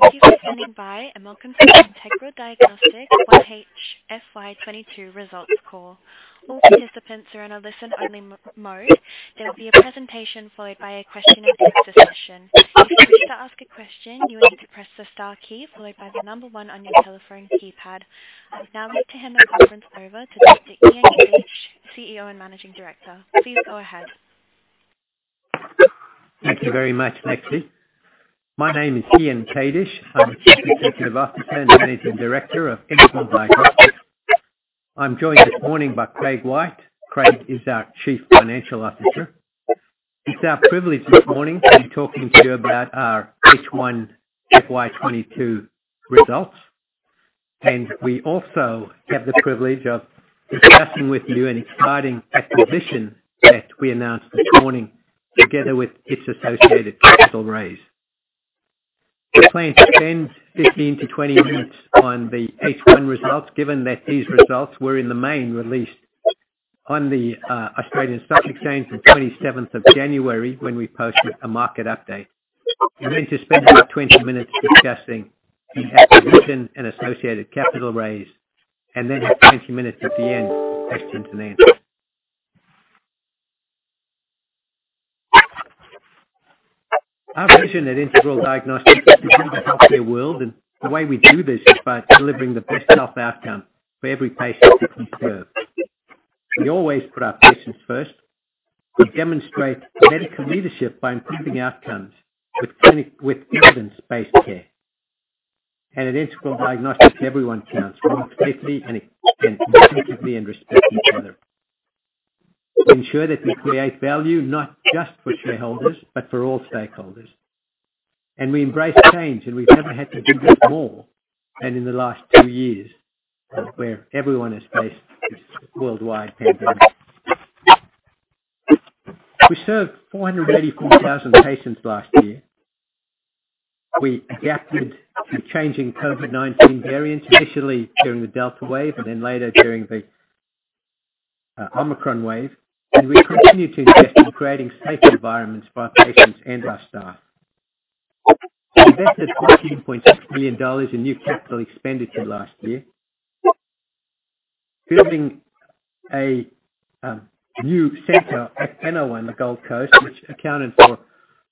Thank you for standing by and welcome to Integral Diagnostics 1H FY 2022 Results Call. All participants are in a listen-only mode. There will be a presentation followed by a question and answer session. If you wish to ask a question, you will need to press the star key followed by the number one on your telephone keypad. I would now like to hand the conference over to Dr. Ian Kadish, CEO and Managing Director. Please go ahead. Thank you very much, Lexi. My name is Ian Kadish. I'm Chief Executive Officer and Managing Director of Integral Diagnostics. I'm joined this morning by Craig White. Craig is our Chief Financial Officer. It's our privilege this morning to be talking to you about our H1 FY 2022 results. We also have the privilege of discussing with you an exciting acquisition that we announced this morning together with its associated capital raise. We plan to spend 15-20 minutes on the H1 results, given that these results were in the main released on the Australian Securities Exchange on 27th of January when we posted a market update. We're going to spend about 20 minutes discussing the acquisition and associated capital raise, and then have 20 minutes at the end for questions. Our vision at Integral Diagnostics is to improve the healthcare world, and the way we do this is by delivering the best health outcome for every patient we serve. We always put our patients first. We demonstrate medical leadership by improving outcomes with evidence-based care. At Integral Diagnostics, everyone counts. We work safely and collectively and respect each other. We ensure that we create value not just for shareholders, but for all stakeholders. We embrace change, and we've never had to do this more than in the last two years, where everyone has faced this worldwide pandemic. We served 484,000 patients last year. We adapted to changing COVID-19 variants, initially during the Delta wave and then later during the Omicron wave. We continue to invest in creating safe environments for our patients and our staff. We invested AUD 13.6 million in new capital expenditure last year, building a new center at Benowa on the Gold Coast, which accounted for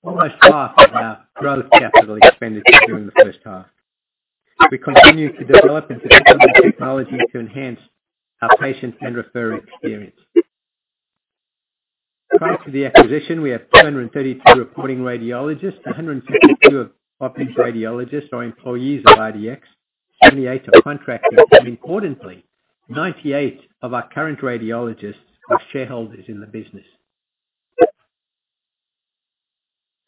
almost half of our gross capital expenditure during the first half. We continue to develop and deploy technology to enhance our patient and referrer experience. Prior to the acquisition, we have 232 reporting radiologists. 152 of our radiologists are employees of IDX, 78 are contractors, and importantly, 98 of our current radiologists are shareholders in the business.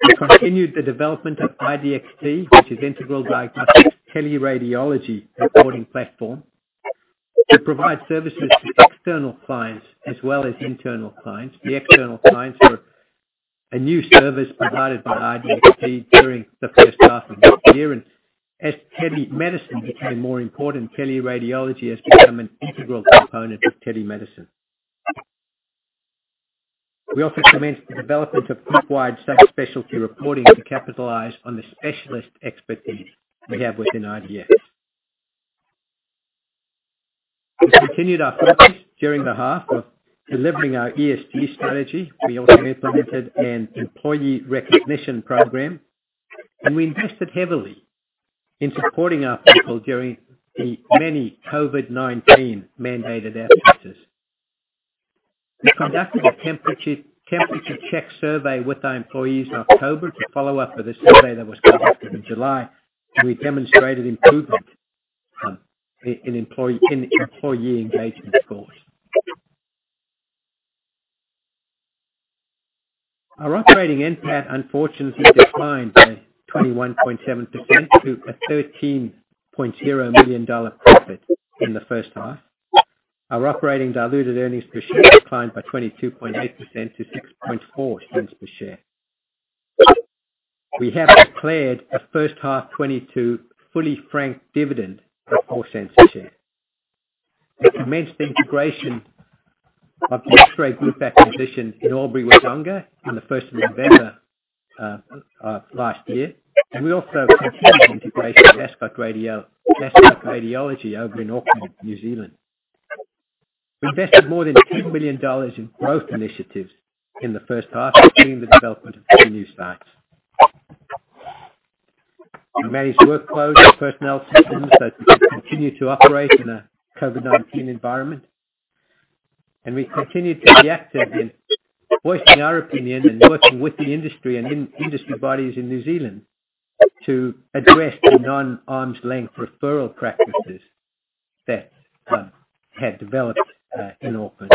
We continued the development of IDXT, which is Integral Diagnostics' teleradiology reporting platform. We provide services to external clients as well as internal clients. The external clients are a new service provided by IDXT during the first half of this year. As telemedicine became more important, teleradiology has become an integral component of telemedicine. We commenced the development of group-wide subspecialty reporting to capitalize on the specialist expertise we have within IDX. We continued our focus during the half of delivering our ESG strategy. We implemented an employee recognition program, and we invested heavily in supporting our people during the many COVID-19 mandated outages. We conducted a temperature check survey with our employees in October to follow up with a survey that was conducted in July, and we demonstrated improvement in employee engagement scores. Our operating NPAT unfortunately declined by 21.7% to an 13.0 million dollar profit in the first half. Our operating diluted earnings per share declined by 22.8% to 0.064 per share. We have declared a first half 2022 fully franked dividend of 0.04 a share. We commenced the integration of the X-Ray Group acquisition in Albury/Wodonga on the first of November last year. We also continued integration of Ascot Radiology over in Auckland, New Zealand. We invested more than 10 million dollars in growth initiatives in the first half, including the development of three new sites. We managed workflows and personnel systems as we continue to operate in a COVID-19 environment, and we continued to be active in voicing our opinion and working with the industry and in-industry bodies in New Zealand to address the non-arm's length referral practices that had developed in Auckland.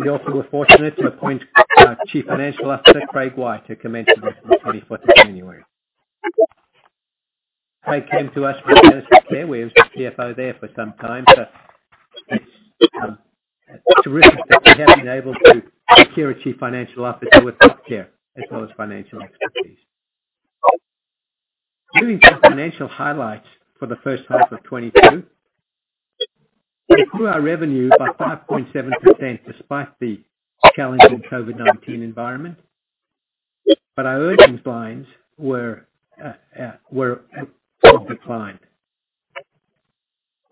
We also were fortunate to appoint our Chief Financial Officer, Craig White, who commenced with us on 24th of January. Craig came to us from GenesisCare, where he was the CFO there for some time. It's terrific that we have been able to secure a Chief Financial Officer with healthcare as well as financial expertise. Moving to the financial highlights for the first half of 2022. We grew our revenue by 5.7% despite the challenging COVID-19 environment. Our earnings lines were declined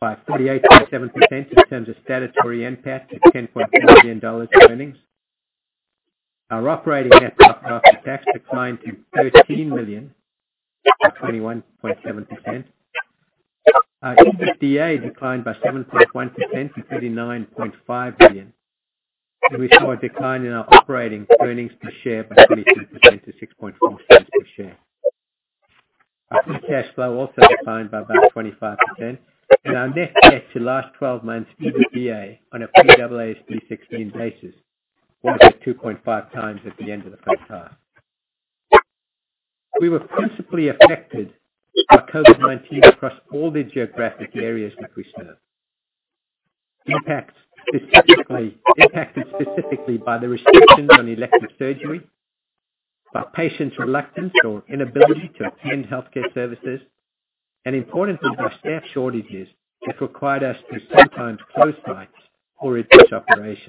by 48.7% in terms of statutory NPAT to 10.4 million dollars in earnings. Our operating NPAT after tax declined to 13 million, by 21.7%. Our EBITDA declined by 7.1% to 39.5 million. We saw a decline in our operating earnings per share by 22% to 0.064 per share. Our free cash flow also declined by about 25%. Our net debt to last 12 months EBITDA on a pre-AASB 16 basis was at 2.5x at the end of the first half. We were principally affected by COVID-19 across all the geographic areas which we serve. Impacted specifically by the restrictions on elective surgery, by patients' reluctance or inability to obtain healthcare services, and importantly, by staff shortages, which required us to sometimes close sites or reduce operations.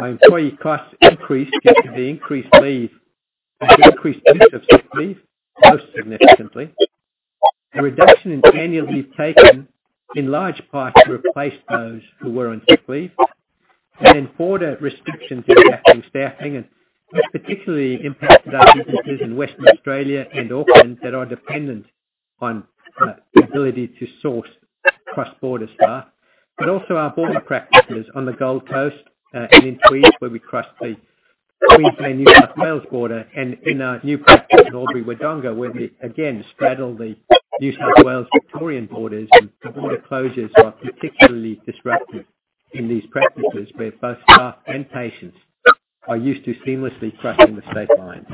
Our employee costs increased due to the increased leave, increased use of sick leave, most significantly, a reduction in annual leave taken in large part to replace those who were on sick leave. Border restrictions impacting staffing, and which particularly impacted our businesses in Western Australia and Auckland that are dependent on the ability to source cross-border staff. Also our border practices on the Gold Coast, and in Queensland where we cross the Queensland-New South Wales border, and in our new practice in Albury/Wodonga, where we again straddle the New South Wales-Victorian borders, and border closures are particularly disruptive in these practices where both staff and patients are used to seamlessly crossing the state line.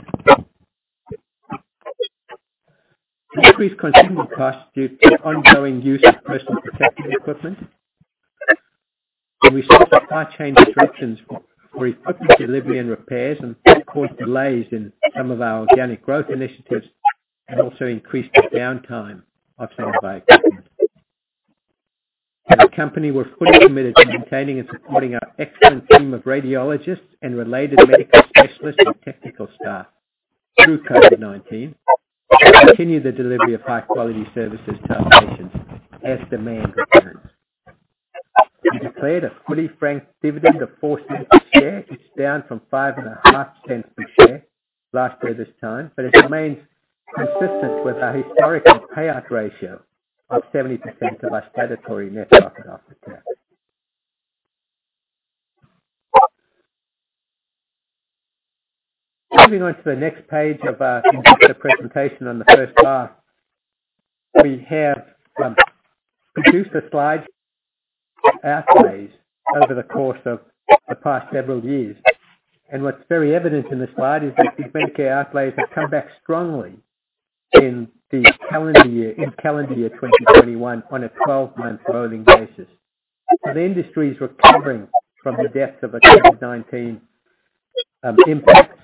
Increased consumable costs due to ongoing use of personal protective equipment. We saw supply chain disruptions for equipment delivery and repairs and caused delays in some of our organic growth initiatives and also increased the downtime of some of our equipment. As a company, we're fully committed to maintaining and supporting our excellent team of radiologists and related medical specialists and technical staff through COVID-19, continue the delivery of high-quality services to our patients as demand returns. We declared a fully franked dividend of 0.04 a share. It's down from 0.055 per share last year this time, but it remains consistent with our historical payout ratio of 70% of our statutory net profit after tax. Moving on to the next page of investor presentation on the first half. We have produced a slide on outlays over the course of the past several years. What's very evident in the slide is that the Medicare outlays have come back strongly in the calendar year, in calendar year 2021 on a 12-month rolling basis. The industry is recovering from the depths of the COVID-19 impacts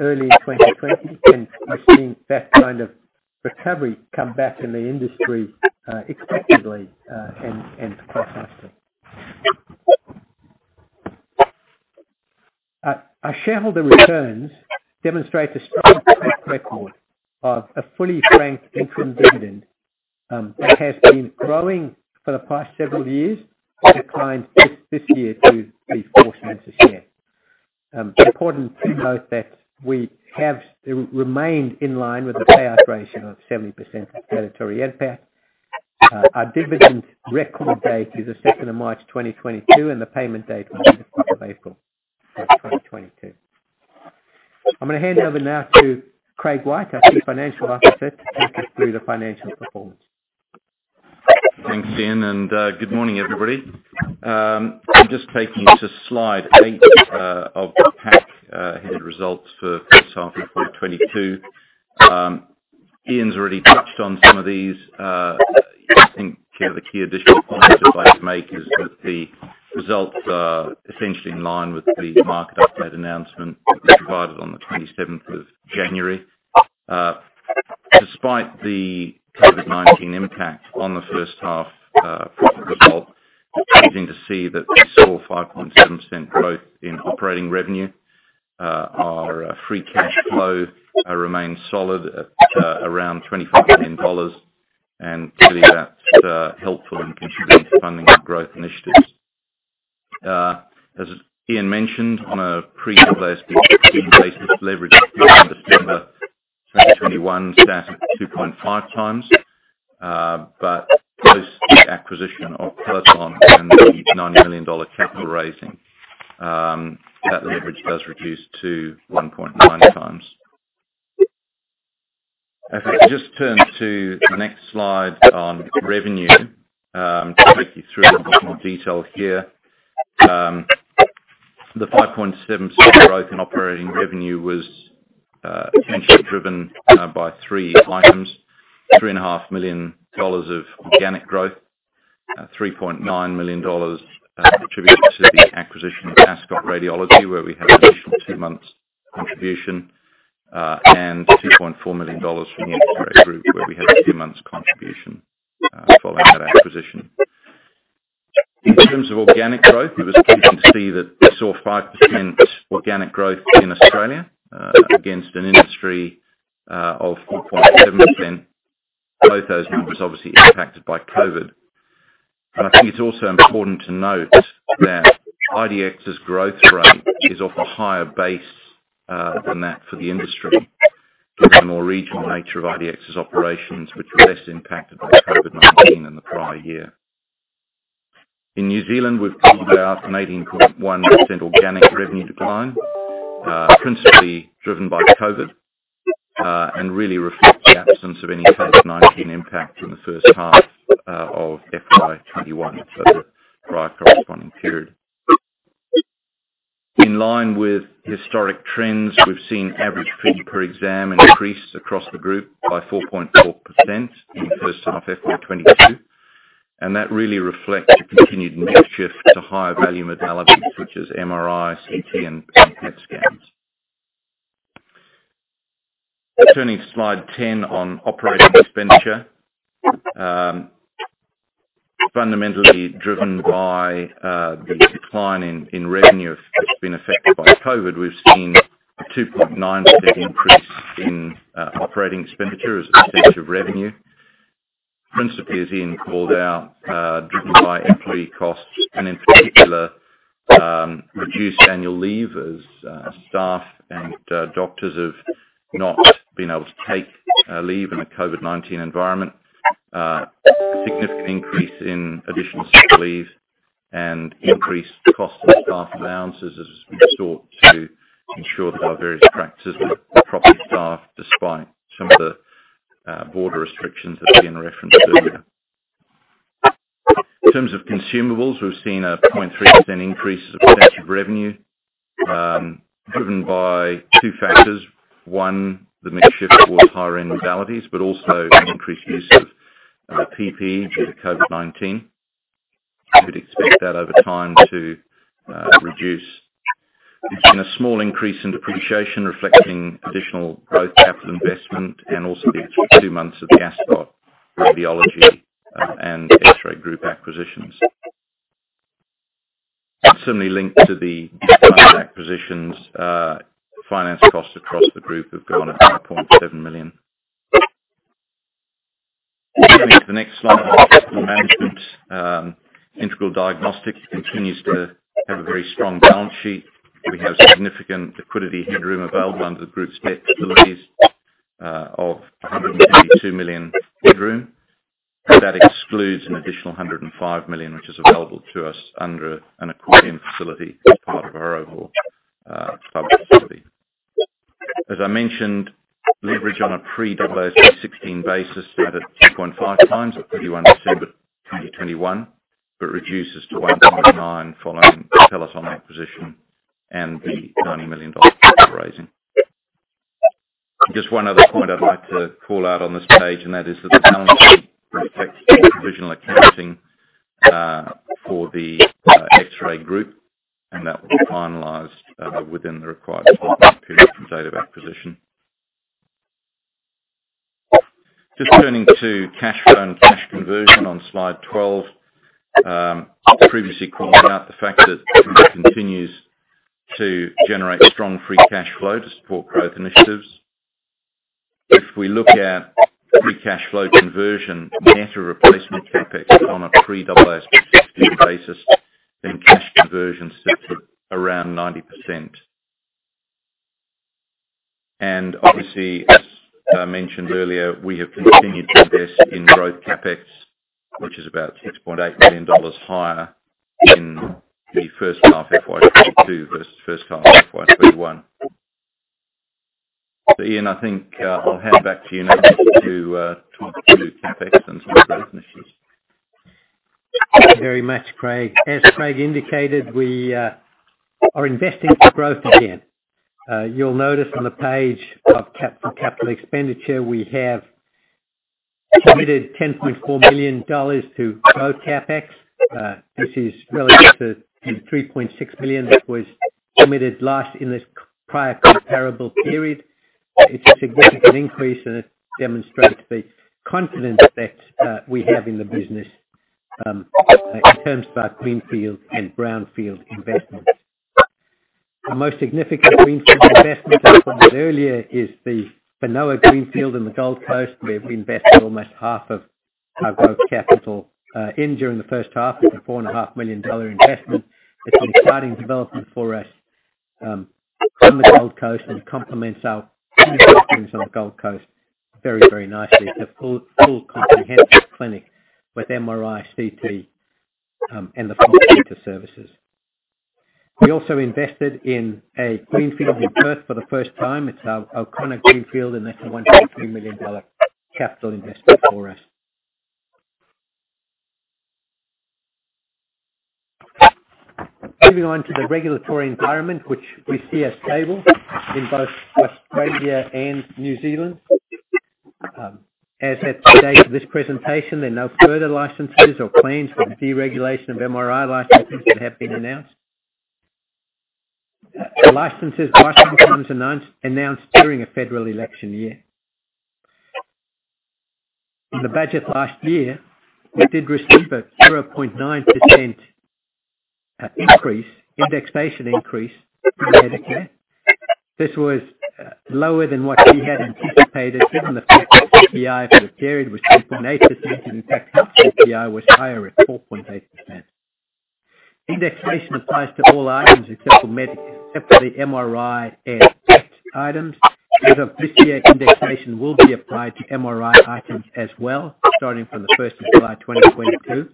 early in 2020, and we're seeing that kind of recovery come back in the industry expectedly and quite nicely. Our shareholder returns demonstrate a strong track record of a fully franked interim dividend, that has been growing for the past several years. It declined this year to AUD 0.04 a share. Important to note that we have remained in line with a payout ratio of 70% of statutory NPAT. Our dividend record date is the 2nd of March 2022, and the payment date will be the 5th of April 2022. I'm gonna hand over now to Craig White, our Chief Financial Officer, to take us through the financial performance. Thanks, Ian, and good morning, everybody. I'm just taking you to slide eight of the pack headed Results for First Half of 2022. Ian's already touched on some of these. I think, you know, the key additional point I'd like to make is that the results are essentially in line with the market update announcement we provided on the 27th of January. Despite the COVID-19 impact on the first half result, it's pleasing to see that we saw 5.7% growth in operating revenue. Our free cash flow remains solid at around 25 million dollars. Clearly that's helpful in contributing to funding our growth initiatives. As Ian mentioned, on a pre-AASB 16 basis, leverage at the end of December 2021 sat at 2.5x. Post the acquisition of Peloton and the 90 million dollar capital raising, that leverage does reduce to 1.9x. If we just turn to the next slide on revenue, to take you through in a bit more detail here. The 5.7% growth in operating revenue was essentially driven by three items. 3.5 million dollars of organic growth. 3.9 million dollars attributable to the acquisition of Ascot Radiology, where we have additional two months contribution. AUD 2.4 million from the X-Ray Group where we had a few months' contribution, following that acquisition. In terms of organic growth, it was pleasing to see that we saw 5% organic growth in Australia, against an industry of 4.7%. Both those numbers obviously impacted by COVID. I think it's also important to note that IDX's growth rate is off a higher base than that for the industry because of the more regional nature of IDX's operations, which were less impacted by COVID-19 in the prior year. In New Zealand, we've called out an 18.1% organic revenue decline, principally driven by COVID, and really reflects the absence of any COVID-19 impact in the first half of FY 2021, so the prior corresponding period. In line with historic trends, we've seen average fee per exam increase across the group by 4.4% in the first half FY 2022, and that really reflects a continued mix shift to higher value modalities such as MRI, CT, and PET scans. Turning to slide 10 on operating expenditure. Fundamentally driven by the decline in revenue that's been affected by COVID-19, we've seen a 2.9% increase in operating expenditure as a percentage of revenue. Principally, as Ian called out, driven by employee costs and in particular, reduced annual leave as staff and doctors have not been able to take leave in a COVID-19 environment, a significant increase in additional sick leave, and increased costs of staff allowances as we sought to ensure that our various practices were properly staffed despite some of the border restrictions that Ian referenced earlier. In terms of consumables, we've seen a 0.3% increase as a percentage of revenue, driven by two factors. One, the mix shift towards higher-end modalities, but also an increased use of PPE due to COVID-19. You would expect that over time to reduce. We've seen a small increase in depreciation reflecting additional growth capital investment and also the extra two months of the Ascot Radiology and The X-Ray Group acquisitions. Certainly linked to the acquired acquisitions, finance costs across the group have gone up to 0.7 million. Moving to the next slide on capital management. Integral Diagnostics continues to have a very strong balance sheet. We have significant liquidity headroom available under the group's debt facilities of 100 million headroom. That excludes an additional 105 million, which is available to us under an accordion facility as part of our overall club facility. As I mentioned, leverage on a pre-AASB 16 basis stood at 2.5x at 31 December 2021, but reduces to 1.9 following the Telus acquisition and the AUD 90 million capital raising. Just one other point I'd like to call out on this page, and that is that the balance sheet reflects the provisional accounting for the X-Ray Group, and that will be finalized within the required 12-month period from date of acquisition. Just turning to cash flow and cash conversion on slide 12. Previously calling out the fact that the group continues to generate strong free cash flow to support growth initiatives. If we look at free cash flow conversion, net of replacement CapEx on a pre-AASB 16 basis, then cash conversion sits at around 90%. Obviously, as mentioned earlier, we have continued to invest in growth CapEx, which is about 6.8 million dollars higher in the first half FY 2022 versus first half FY 2021. Ian, I think, I'll hand back to you now to talk through CapEx and some of the growth initiatives. Thank you very much, Craig. As Craig indicated, we are investing for growth again. You'll notice on the page of capital expenditure, we have committed 10.4 million dollars to grow CapEx. This is relative to the 3.6 million that was committed last in this prior comparable period. It's a significant increase, and it demonstrates the confidence that we have in the business in terms of our greenfield and brownfield investments. Our most significant greenfield investment, as I mentioned earlier, is the Benowa greenfield in the Gold Coast. We have invested almost half of our growth capital during the first half. It's an 4.5 million dollar investment. It's an exciting development for us on the Gold Coast, and it complements our existing offerings on the Gold Coast very, very nicely. It's a full comprehensive clinic with MRI, CT, and the functional services. We also invested in a greenfield in Perth for the first time. It's our O'Connor greenfield, and that's a $1.2 million capital investment for us. Moving on to the regulatory environment, which we see as stable in both Australia and New Zealand. As at today's presentation, there are no further licenses or plans for the deregulation of MRI licenses that have been announced. Licenses are sometimes announced during a federal election year. In the budget last year, we did receive a 0.9% indexation increase from Medicare. This was lower than what we had anticipated, given the fact that CPI for the period was 2.8%, and in fact, health CPI was higher at 4.8%. Indexation applies to all items except for the MRI and PET items. As of this year, indexation will be applied to MRI items as well, starting from the 1st of July 2022.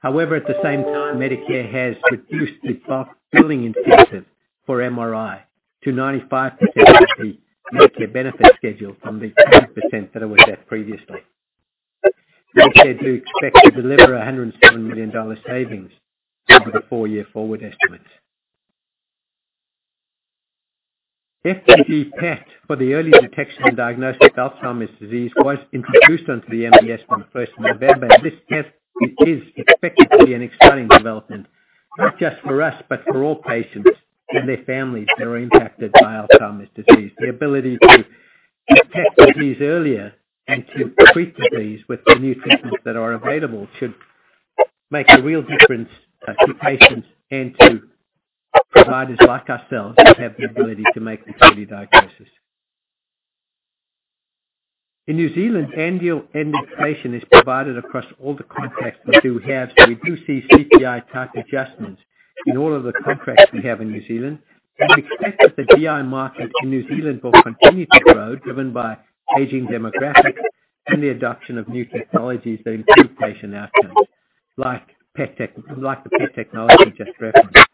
However, at the same time, Medicare has reduced the bulk billing incentive for MRI to 95% of the Medicare Benefits Schedule from the 10% that it was at previously. Medicare do expect to deliver 107 million dollar savings over the four-year forward estimate. FDG PET for the early detection and diagnosis of Alzheimer's disease was introduced onto the MBS on the 1st of November. This test is expected to be an exciting development, not just for us, but for all patients and their families that are impacted by Alzheimer's disease. The ability to detect the disease earlier and to treat disease with the new treatments that are available should make a real difference to patients and to providers like ourselves who have the ability to make an early diagnosis. In New Zealand, annual adjustment is provided across all the contracts that we do have. We do see CPI-type adjustments in all of the contracts we have in New Zealand. We expect that the DI market in New Zealand will continue to grow, driven by aging demographics and the adoption of new technologies that improve patient outcomes, like the PET technology just referenced.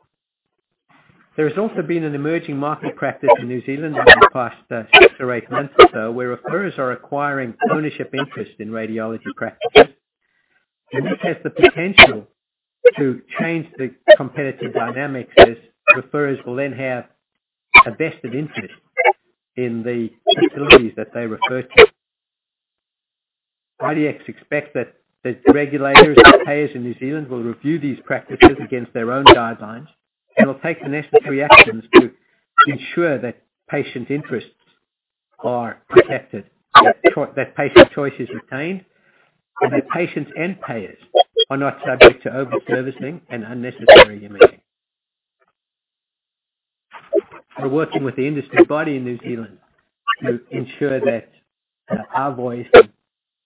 There has also been an emerging market practice in New Zealand over the past six or eight months or so, where referrers are acquiring ownership interest in radiology practices. This has the potential to change the competitive dynamics, as referrers will then have a vested interest in the facilities that they refer to. IDX expects that the regulators and payers in New Zealand will review these practices against their own guidelines, and will take the necessary actions to ensure that patient interests are protected, that patient choice is retained, and that patients and payers are not subject to over-servicing and unnecessary imaging. We're working with the industry body in New Zealand to ensure that our voice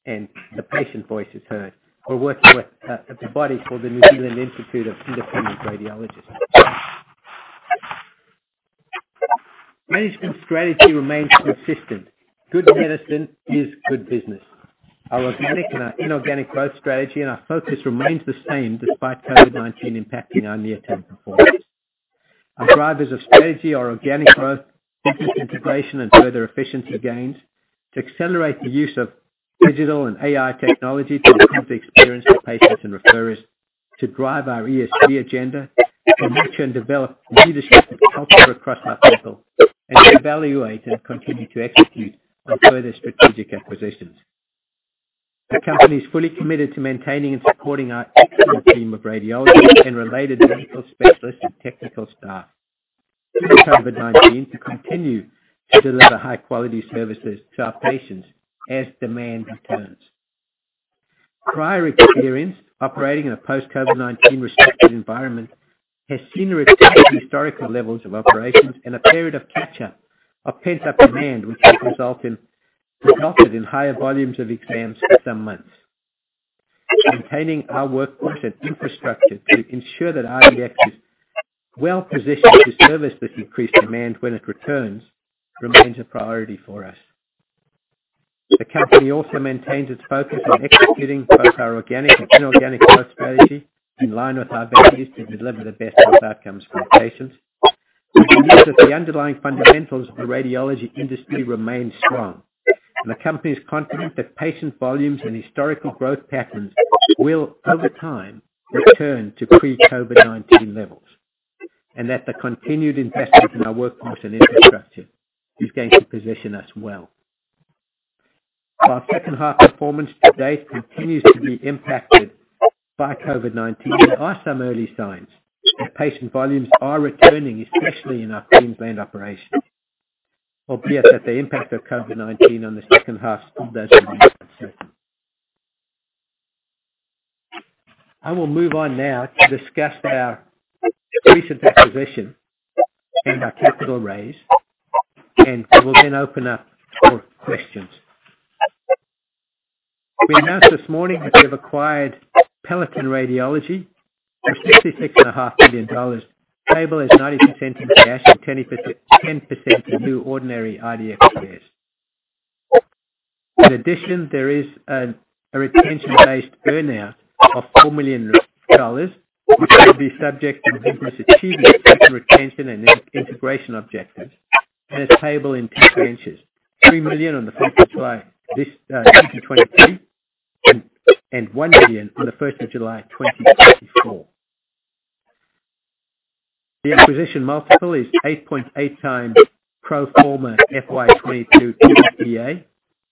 and the patient voice is heard. We're working with a body called the New Zealand Institute of Independent Radiologists. Management strategy remains consistent. Good medicine is good business. Our organic and inorganic growth strategy, and our focus remains the same despite COVID-19 impacting our near-term performance. Our drivers of strategy are organic growth, business integration and further efficiency gains to accelerate the use of digital and AI technology to improve the experience of patients and referrers, to drive our ESG agenda, to nurture and develop a leadership culture across our business, and to evaluate and continue to execute on further strategic acquisitions. The company is fully committed to maintaining and supporting our excellent team of radiologists and related medical specialists and technical staff through COVID-19 to continue to deliver high quality services to our patients as demand returns. Prior experience operating in a post-COVID-19 restricted environment has seen a return to historical levels of operations and a period of catch-up of pent-up demand, which has resulted in higher volumes of exams for some months. Maintaining our workforce and infrastructure to ensure that IDX is well-positioned to service this increased demand when it returns remains a priority for us. The company also maintains its focus on executing both our organic and inorganic growth strategy in line with our values to deliver the best health outcomes for patients. We believe that the underlying fundamentals of the radiology industry remain strong. The company is confident that patient volumes and historical growth patterns will, over time, return to pre-COVID-19 levels, and that the continued investment in our workforce and infrastructure is going to position us well. Our second half performance to date continues to be impacted by COVID-19. There are some early signs that patient volumes are returning, especially in our Queensland operations, albeit that the impact of COVID-19 on the second half still isn't certain. I will move on now to discuss our recent acquisition and our capital raise, and I will then open up for questions. We announced this morning that we have acquired Peloton Radiology for 66.5 Million dollars. Payable is 90% in cash and 10% in new ordinary IDX shares. In addition, there is a retention-based earn-out of 4 million dollars, which will be subject to Integral's achieving certain retention and integration objectives, and is payable in tranches. 3 million on the 1st of July 2023, and 1 million on the 1st of July 2024. The acquisition multiple is 8.8x pro forma FY 2022 EBITDA,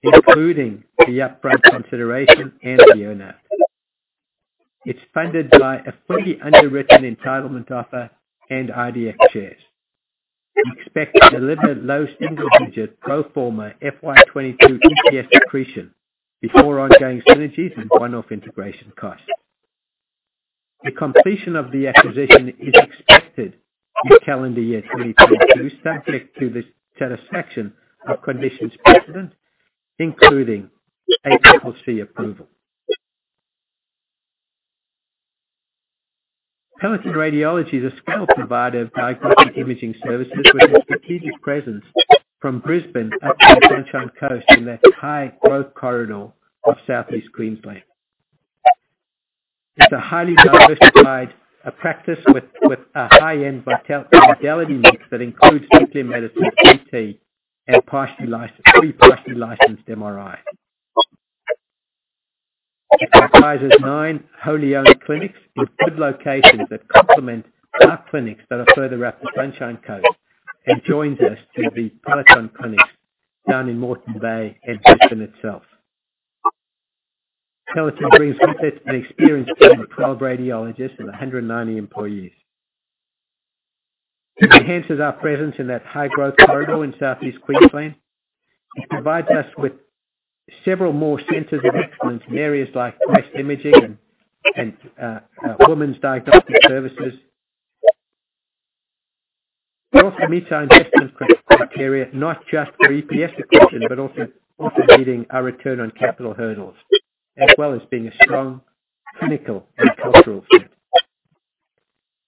including the upfront consideration and the earn-out. It's funded by a fully underwritten entitlement offer and IDX shares. We expect to deliver low single-digit pro forma FY 2022 EPS accretion before ongoing synergies and one-off integration costs. The completion of the acquisition is expected in calendar year 2022, subject to the satisfaction of conditions precedent, including ACCC approval. Peloton Radiology is a scale provider of diagnostic imaging services with a strategic presence from Brisbane up to the Sunshine Coast in that high growth corridor of Southeast Queensland. It's a highly diversified practice with a high-end modality mix that includes nuclear medicine, CT, and partially licensed MRI. It comprises nine wholly-owned clinics with good locations that complement our clinics that are further up the Sunshine Coast and joins us to the Peloton clinics down in Moreton Bay and Brisbane itself. Peloton brings with it an experienced team of 12 radiologists and 190 employees. It enhances our presence in that high-growth corridor in Southeast Queensland. It provides us with several more centers of excellence in areas like breast imaging and women's diagnostic services. It also meets our investment criteria, not just for EPS accretion, but also meeting our return on capital hurdles, as well as being a strong clinical and cultural fit.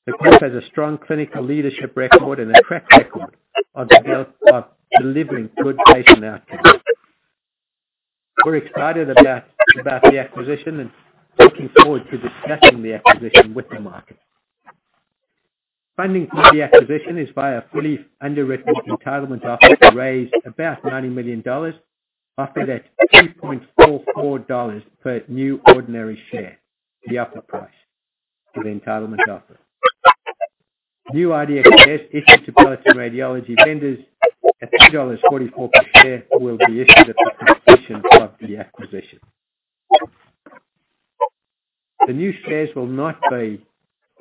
The group has a strong clinical leadership record and a track record of delivering good patient outcomes. We're excited about the acquisition and looking forward to discussing the acquisition with the market. Funding for the acquisition is via a fully underwritten entitlement offer to raise about 90 million dollars offered at 3.44 dollars per new ordinary share. The offer price for the entitlement offer. New IDX shares issued to Peloton Radiology vendors at 3.44 dollars per share will be issued at the completion of the acquisition. The new shares will not be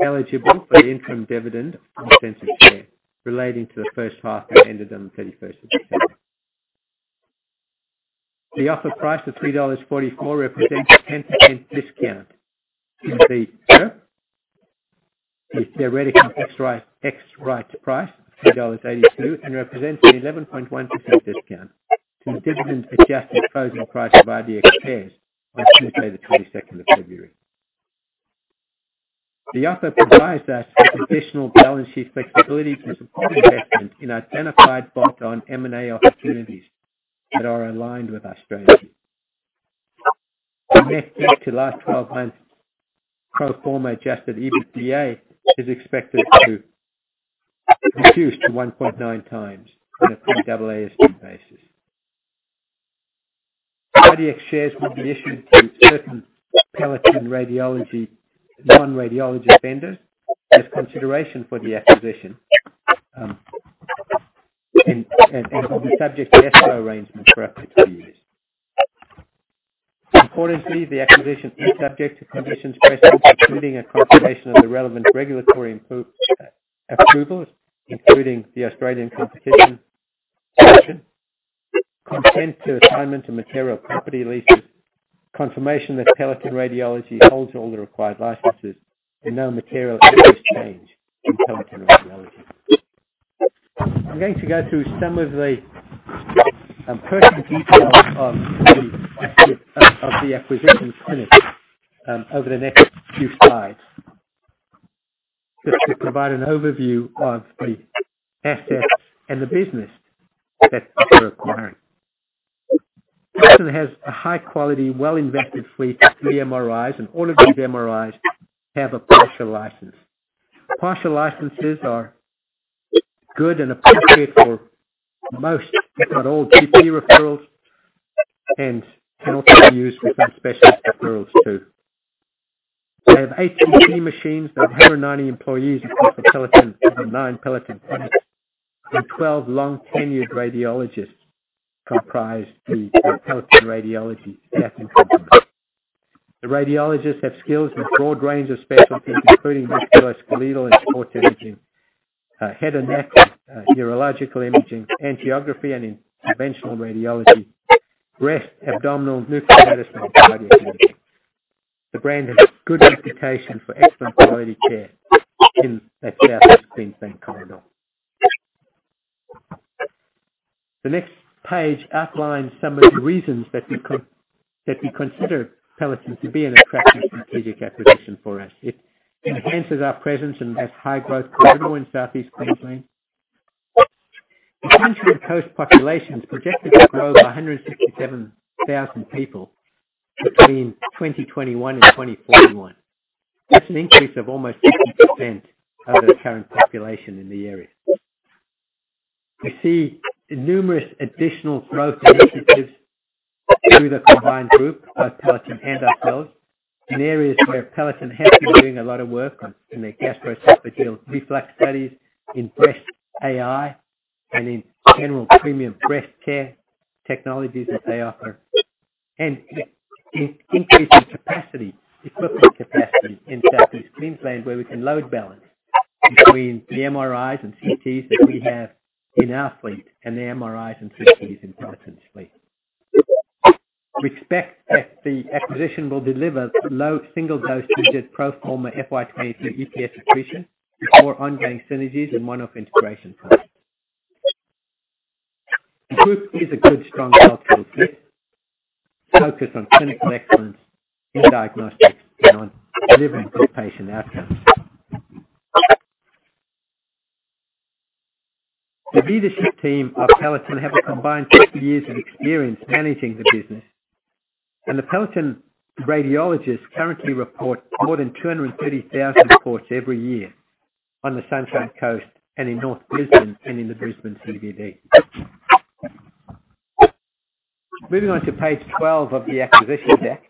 eligible for the interim dividend in the sense of share relating to the first half that ended on the 31st of December. The offer price of 3.44 dollars represents a 10% discount to the theoretical ex-rights, ex-rights price of AUD 3.82 and represents an 11.1% discount to the dividend-adjusted closing price of IDX shares on Tuesday the 22nd of February. The offer provides us with additional balance sheet flexibility to support investment in identified bolt-on M&A opportunities that are aligned with our strategy. The net debt to last twelve months pro forma adjusted EBITDA is expected to reduce to 1.9x on a pre-AASB 16 basis. IDX shares will be issued to certain Peloton Radiology non-radiology vendors as consideration for the acquisition, and will be subject to escrow arrangement for up to two years. Importantly, the acquisition is subject to conditions precedent, including a confirmation of the relevant regulatory approvals, including the Australian Competition and Consumer Commission, consent to assignment of material property leases, confirmation that Peloton Radiology holds all the required licenses and no material risks change in Peloton Radiology. I'm going to go through some of the personal details of the acquisition clinic over the next few slides. Just to provide an overview of the assets and the business that we're acquiring. Peloton has a high quality, well-invested fleet of three MRIs, and all of these MRIs have a partial license. Partial licenses are good and appropriate for most, if not all, GP referrals, and can also be used for some specialist referrals too. They have 18 GP machines. They have 190 employees across the Peloton—nine Peloton clinics. Twelve long-tenured radiologists comprise the Peloton Radiology staff and complement. The radiologists have skills in a broad range of specialties, including musculoskeletal and sports imaging, head and neck, urological imaging, angiography and interventional radiology, breast, abdominal, nuclear medicine, and cardiac imaging. The brand has good reputation for excellent quality care in the Southeast Queensland corridor. The next page outlines some of the reasons that we consider Peloton to be an attractive strategic acquisition for us. It enhances our presence in that high-growth corridor in Southeast Queensland. The Sunshine Coast population is projected to grow by 167,000 people between 2021 and 2041. That's an increase of almost 50% over the current population in the area. We see numerous additional growth initiatives through the combined group, both Peloton and ourselves, in areas where Peloton has been doing a lot of work on, in their gastroesophageal reflux studies, in breast AI, and in general premium breast care technologies that they offer. In increasing capacity, equipment capacity in Southeast Queensland, where we can load balance between the MRIs and CTs that we have in our fleet and the MRIs and CTs in Peloton's fleet. We expect that the acquisition will deliver low single-digit pro forma FY 2023 EPS accretion, with more ongoing synergies and one-off integration costs. The group is a good, strong cultural fit, focused on clinical excellence in diagnostics and on delivering good patient outcomes. The leadership team of Peloton have a combined 50 years of experience managing the business. The Peloton radiologists currently report more than 230,000 reports every year on the Sunshine Coast and in North Brisbane and in the Brisbane CBD. Moving on to page 12 of the acquisition deck.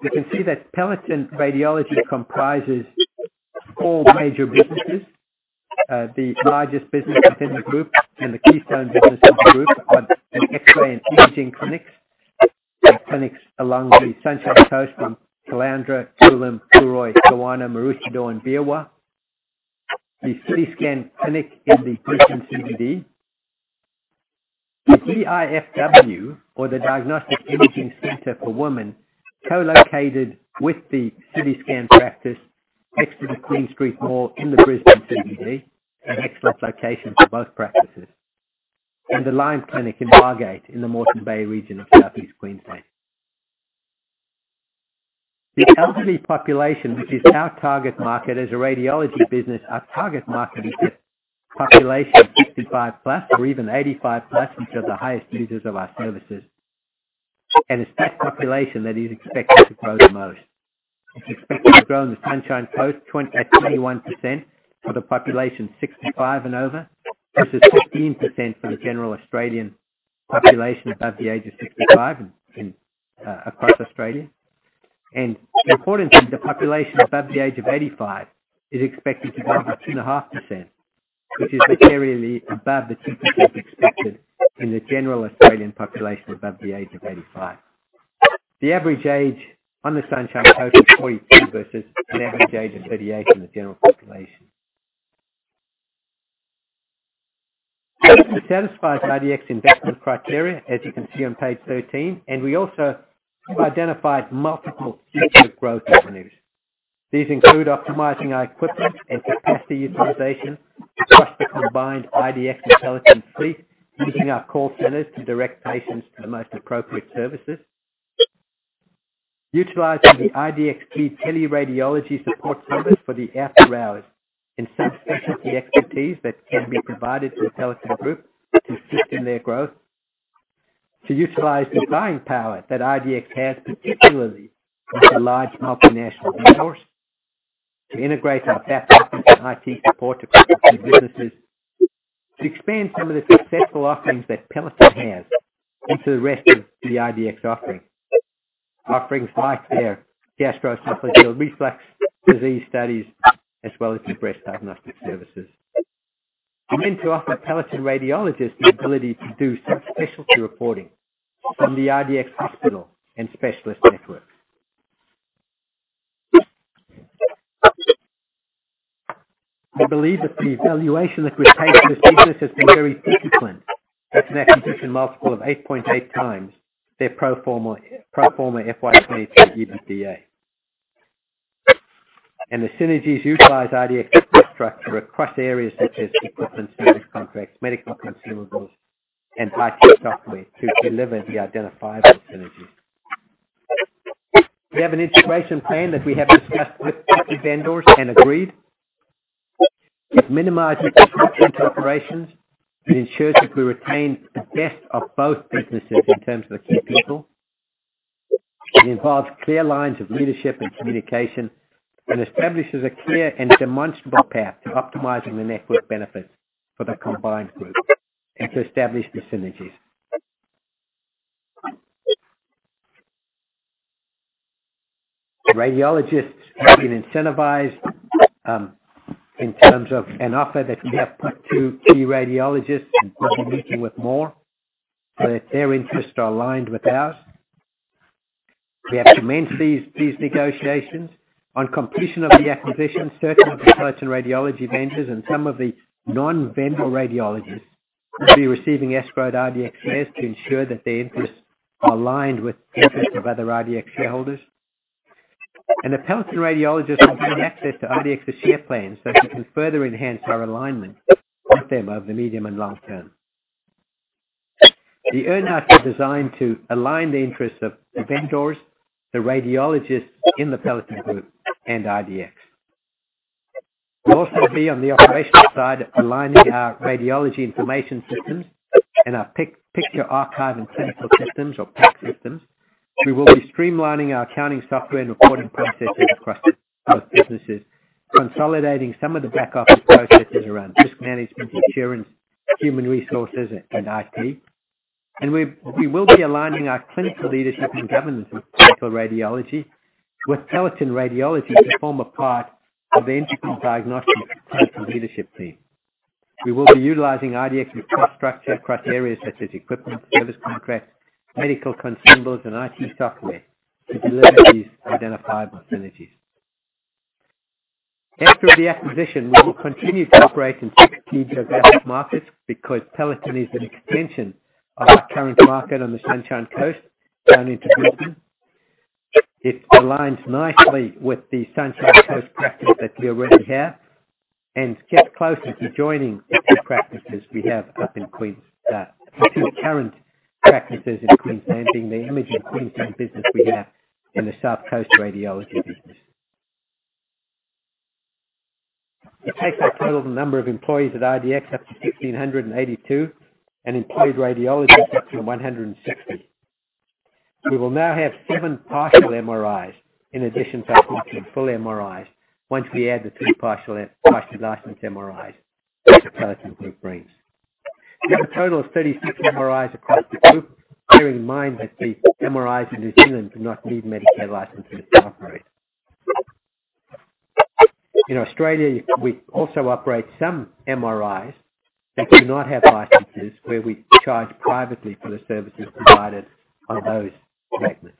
You can see that Peloton Radiology comprises four major businesses. The largest business within the group and the keystone business of the group are the X-ray and imaging clinics. They have clinics along the Sunshine Coast from Caloundra, Coolum, Currimundi, Kawana, Maroochydore, and Buderim. The CitiScan clinic in the Brisbane CBD. The DIFW, or the Diagnostic Imaging Centre for Women, co-located with the CitiScan practice next to the Queen Street Mall in the Brisbane CBD, an excellent location for both practices. The Lime Radiology in Margate, in the Moreton Bay region of southeast Queensland. The elderly population, which is our target market as a radiology business, our target market is the population 65+ or even 85+, which are the highest users of our services. It's that population that is expected to grow the most. It's expected to grow in the Sunshine Coast 21% for the population 65 and over, versus 15% for the general Australian population above the age of 65 across Australia. Importantly, the population above the age of 85 is expected to grow by 2.5%, which is materially above the 2% expected in the general Australian population above the age of 85. The average age on the Sunshine Coast is 42 versus an average age of 38 in the general population. It satisfies IDX investment criteria, as you can see on page 13, and we also have identified multiple future growth avenues. These include optimizing our equipment and capacity utilization across the combined IDX and Peloton fleet, using our call centers to direct patients to the most appropriate services. Utilizing the IDX key teleradiology support centers for the after-hours and subspecialty expertise that can be provided to the Peloton Group to assist in their growth. To utilize the buying power that IDX has, particularly with the large multinational network. To integrate our platforms and IT support across the businesses. To expand some of the successful offerings that Peloton has into the rest of the IDX offering. Offerings like their gastroesophageal reflux disease studies, as well as the breast diagnostic services. Then to offer Peloton radiologists the ability to do subspecialty reporting from the IDX hospital and specialist networks. We believe that the evaluation that we've taken to this business has been very disciplined. It's an acquisition multiple of 8.8x their pro forma FY 2023 EBITDA. The synergies utilize IDX's cost structure across areas such as equipment service contracts, medical consumables, and IT software to deliver the identifiable synergies. We have an integration plan that we have discussed with vendors and agreed. It minimizes disruption to operations. It ensures that we retain the best of both businesses in terms of the key people. It involves clear lines of leadership and communication, and establishes a clear and demonstrable path to optimizing the network benefit for the combined group and to establish the synergies. Radiologists have been incentivized, in terms of an offer that we have put to key radiologists, and we'll be meeting with more, so that their interests are aligned with ours. We have commenced these negotiations. On completion of the acquisition, certain of the Peloton Radiology ventures and some of the non-vendor radiologists will be receiving escrowed IDX shares to ensure that their interests are aligned with the interests of other IDX shareholders. The Peloton radiologists will gain access to IDX's share plan, so we can further enhance our alignment with them over the medium and long term. The earn-outs are designed to align the interests of the vendors, the radiologists in the Peloton Group and IDX. We'll also be, on the operational side, aligning our radiology information systems and our picture archive and clinical systems or PACS systems. We will be streamlining our accounting software and recording processes across both businesses, consolidating some of the back office processes around risk management, insurance, human resources, and IT. We will be aligning our clinical leadership and governance of Peloton Radiology with Peloton Radiology to form a part of the Integral Diagnostics leadership team. We will be utilizing IDX's cost structure across areas such as equipment, service contracts, medical consumables, and IT software to deliver these identifiable synergies. After the acquisition, we will continue to operate in six key geographic markets because Peloton is an extension of our current market on the Sunshine Coast down into Brisbane. It aligns nicely with the Sunshine Coast practice that we already have and gets closer to joining the two practices we have up in Queensland, the two current practices in Queensland, being the Imaging Queensland business we have and the South Coast Radiology business. It takes our total number of employees at IDX up to 1,582 and employed radiologists up to 160. We will now have seven partial MRIs in addition to our 14 full MRIs once we add the two partial licensed MRIs that the Peloton Group brings. We have a total of 36 MRIs across the group, bearing in mind that the MRIs in New Zealand do not need Medicare licenses to operate. In Australia, we also operate some MRIs that do not have licenses where we charge privately for the services provided on those segments.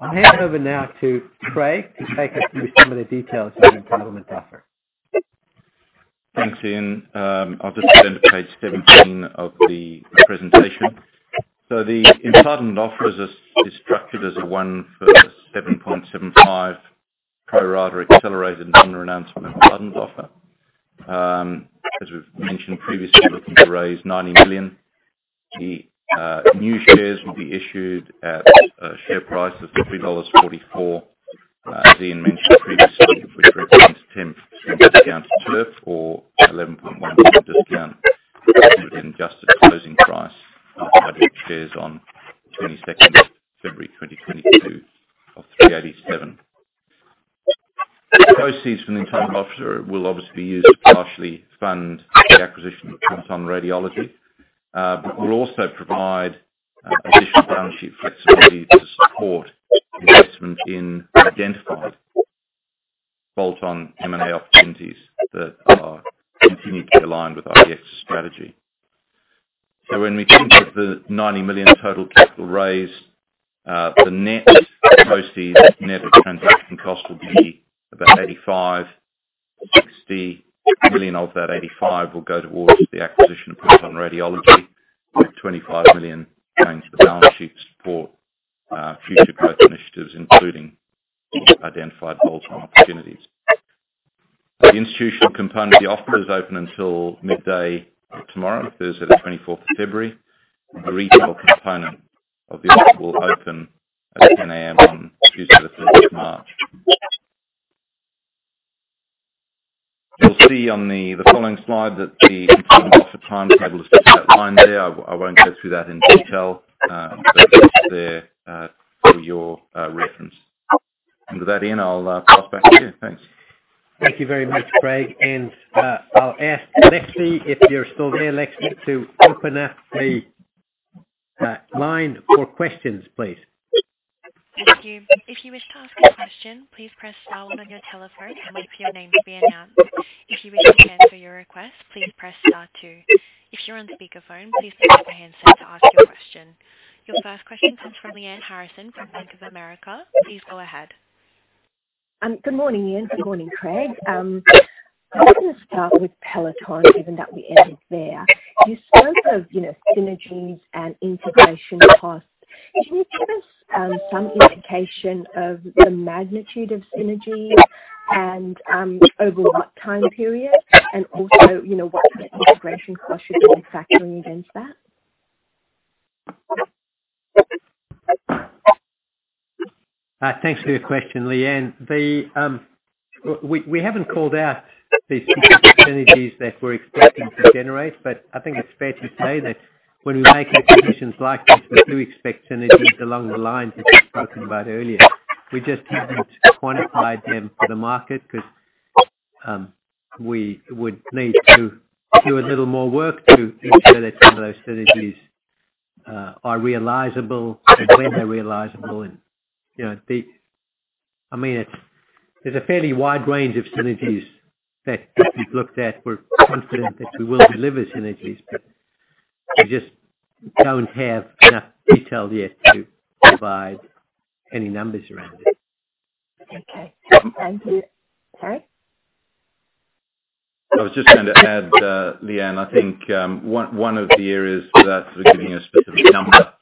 I'll hand over now to Craig to take us through some of the details of the entitlement offer. Thanks, Ian. I'll just turn to page 17 of the presentation. The entitlement offer is structured as a one for 7.75 pro rata accelerated non-renounceable entitlement offer. As we've mentioned previously, we're looking to raise 90 million. New shares will be issued at a share price of AUD 3.44. As Ian mentioned previously, which represents 10% discount to TERP or 11.1% discount to the adjusted closing price of IDX shares on 22 February 2022 of 3.87. Proceeds from the entitlement offer will obviously be used to partially fund the acquisition of Peloton Radiology, but will also provide additional balance sheet flexibility to support investment in identified bolt-on M&A opportunities that are continually aligned with IDX's strategy. When we think of the 90 million total capital raise, the net proceeds net of transaction costs will be about 85 million. 60 million of that 85 million will go towards the acquisition of Peloton Radiology, with 25 million staying in the balance sheet to support future growth initiatives, including identified bolt-on opportunities. The institutional component of the offer is open until midday tomorrow, Thursday the 24th of February. The retail component of the offer will open at 10 A.M. on Tuesday, the 5th of March. You'll see on the following slide that the entitlement offer timetable is outlined there. I won't go through that in detail, but that's there for your reference. With that, Ian, I'll pass back to you. Thanks. Thank you very much, Craig. I'll ask Lexi, if you're still there, Lexi, to open up a line for questions, please. Thank you. If you wish to ask a question, please press star one on your telephone, and wait for your name to be announced. If you wish to cancel your request, please press star two. If you're on speakerphone, please pick up a handset to ask your question. Your first question comes from Lyanne Harrison from Bank of America. Please go ahead. Good morning, Ian. Good morning, Craig. I'm gonna start with Peloton, given that we ended there. You spoke of, you know, synergies and integration costs. Can you give us some indication of the magnitude of synergies and over what time period? Also, you know, what kind of integration costs you've been factoring against that? Thanks for your question, Lyanne. We haven't called out the synergies that we're expecting to generate, but I think it's fair to say that when we make acquisitions like this, we do expect synergies along the lines as we've spoken about earlier. We just haven't quantified them for the market because we would need to do a little more work to ensure that some of those synergies are realizable and when they're realizable. You know, I mean, it's a fairly wide range of synergies that we've looked at. We're confident that we will deliver synergies, but we just don't have enough detail yet to provide any numbers around it. Okay. Thank you. Craig? I was just going to add, Lyanne, I think one of the areas that we're giving a specific number.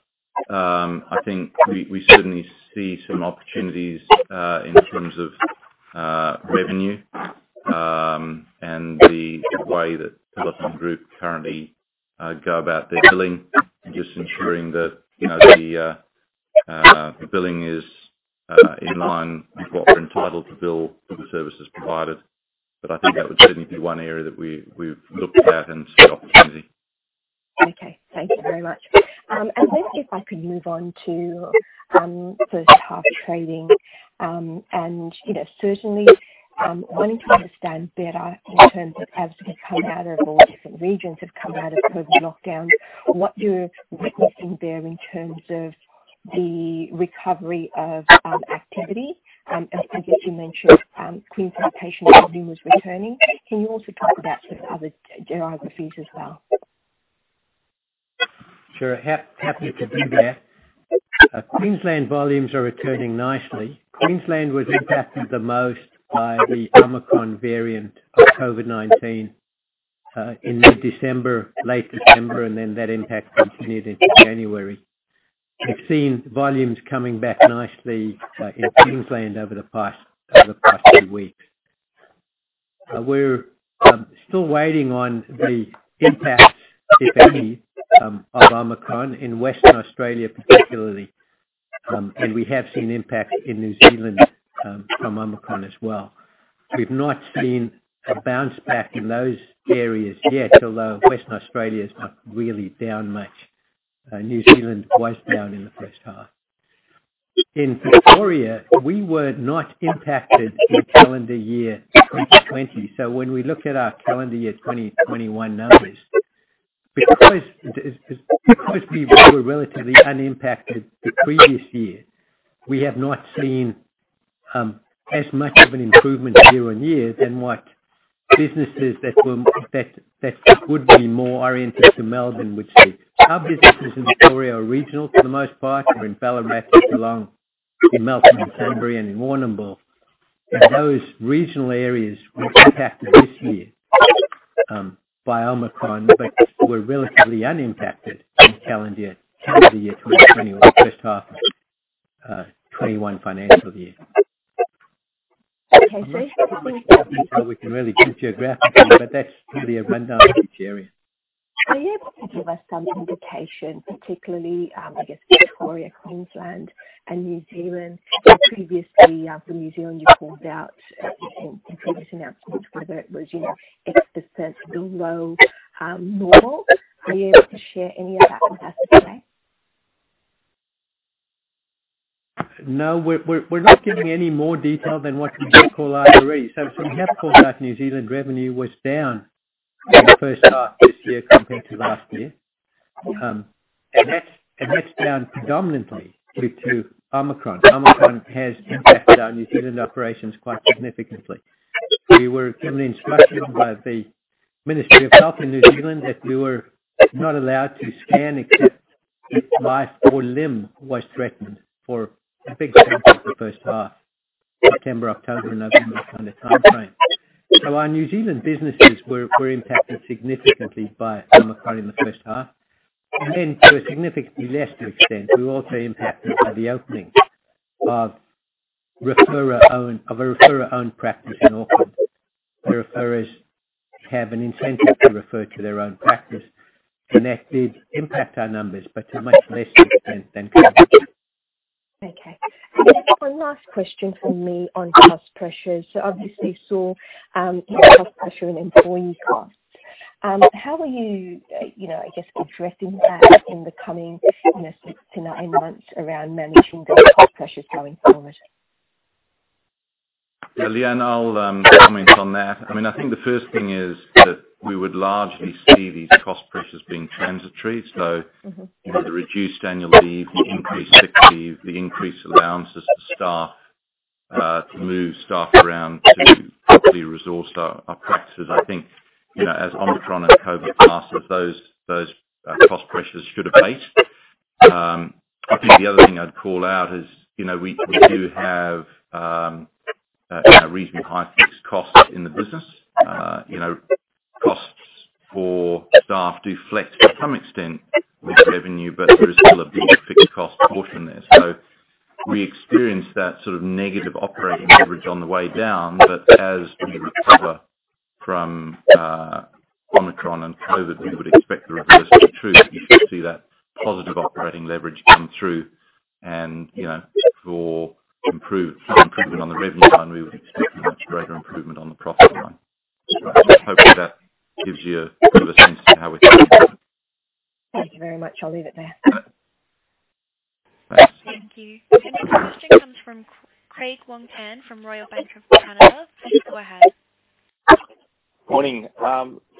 I think we certainly see some opportunities in terms of revenue and the way that Peloton Radiology currently go about their billing and just ensuring that, you know, the billing is in line with what we're entitled to bill for the services provided. I think that would certainly be one area that we've looked at and see opportunity. Okay, thank you very much. If I could move on to first half trading, and you know, certainly wanting to understand better in terms of as we come out of or different regions have come out of COVID lockdown, what you're witnessing there in terms of the recovery of activity. I guess you mentioned Queensland patient activity was returning. Can you also talk to that with other geographies as well? Sure. Happy to do that. Queensland volumes are returning nicely. Queensland was impacted the most by the Omicron variant of COVID-19 in mid-December, late December, and then that impact continued into January. We've seen volumes coming back nicely in Queensland over the past few weeks. We're still waiting on the impact, if any, of Omicron in Western Australia particularly. We have seen impact in New Zealand from Omicron as well. We've not seen a bounce back in those areas yet, although Western Australia is not really down much. New Zealand was down in the first half. In Victoria, we were not impacted in calendar year 2020. When we look at our calendar year 2021 numbers, because we were relatively unimpacted the previous year, we have not seen as much of an improvement year-over-year than what businesses that would be more oriented to Melbourne would see. Our businesses in Victoria are regional for the most part. We're in Ballarat, Geelong, in Melton, in Sunbury and in Warrnambool. Those regional areas were impacted this year by Omicron, but were relatively unimpacted in calendar year 2020 or the first half of 2021 financial year. Okay. Not much more we can really do geographically, but that's probably a rundown of each area. Are you able to give us some indication, particularly, I guess Victoria, Queensland and New Zealand? Previously, for New Zealand, you called out in previous announcements whether it was, you know, x% below normal. Are you able to share any of that with us today? No, we're not giving any more detail than what we did call out already. We have called out New Zealand revenue was down in the first half this year compared to last year. And that's down predominantly due to Omicron. Omicron has impacted our New Zealand operations quite significantly. We were given instruction by the Ministry of Health in New Zealand that we were not allowed to scan except if life or limb was threatened for a big chunk of the first half, September, October, November kind of timeframe. Our New Zealand businesses were impacted significantly by Omicron in the first half. And then to a significantly lesser extent, we were also impacted by the opening of a referrer-owned practice in Auckland. The referrers have an incentive to refer to their own practice. That did impact our numbers, but to a much less extent than COVID did. Okay. Just one last question from me on cost pressures. Obviously saw cost pressure in employee costs. How are you know, I guess addressing that in the coming, you know, six-nine months around managing those cost pressures going forward? Yeah, Lyanne, I'll comment on that. I mean, I think the first thing is that we would largely see these cost pressures being transitory. You know, the reduced annual leave, the increased sick leave, the increased allowances for staff to move staff around to properly resource our practices. I think, you know, as Omicron and COVID pass, those cost pressures should abate. I think the other thing I'd call out is, you know, we do have, you know, reasonably high fixed costs in the business. You know, costs for staff do flex to some extent with revenue, but there is still a big fixed cost portion there. We experience that sort of negative operating leverage on the way down. As we recover from Omicron and COVID, we would expect the reverse to be true. You should see that positive operating leverage come through. You know, for improvement on the revenue line, we would expect a much greater improvement on the profit line. Hopefully that gives you a bit of a sense of how we're thinking about it. Thank you very much. I'll leave it there. Thanks. Thank you. The next question comes from Craig Wong-Pan from Royal Bank of Canada. Go ahead. Morning.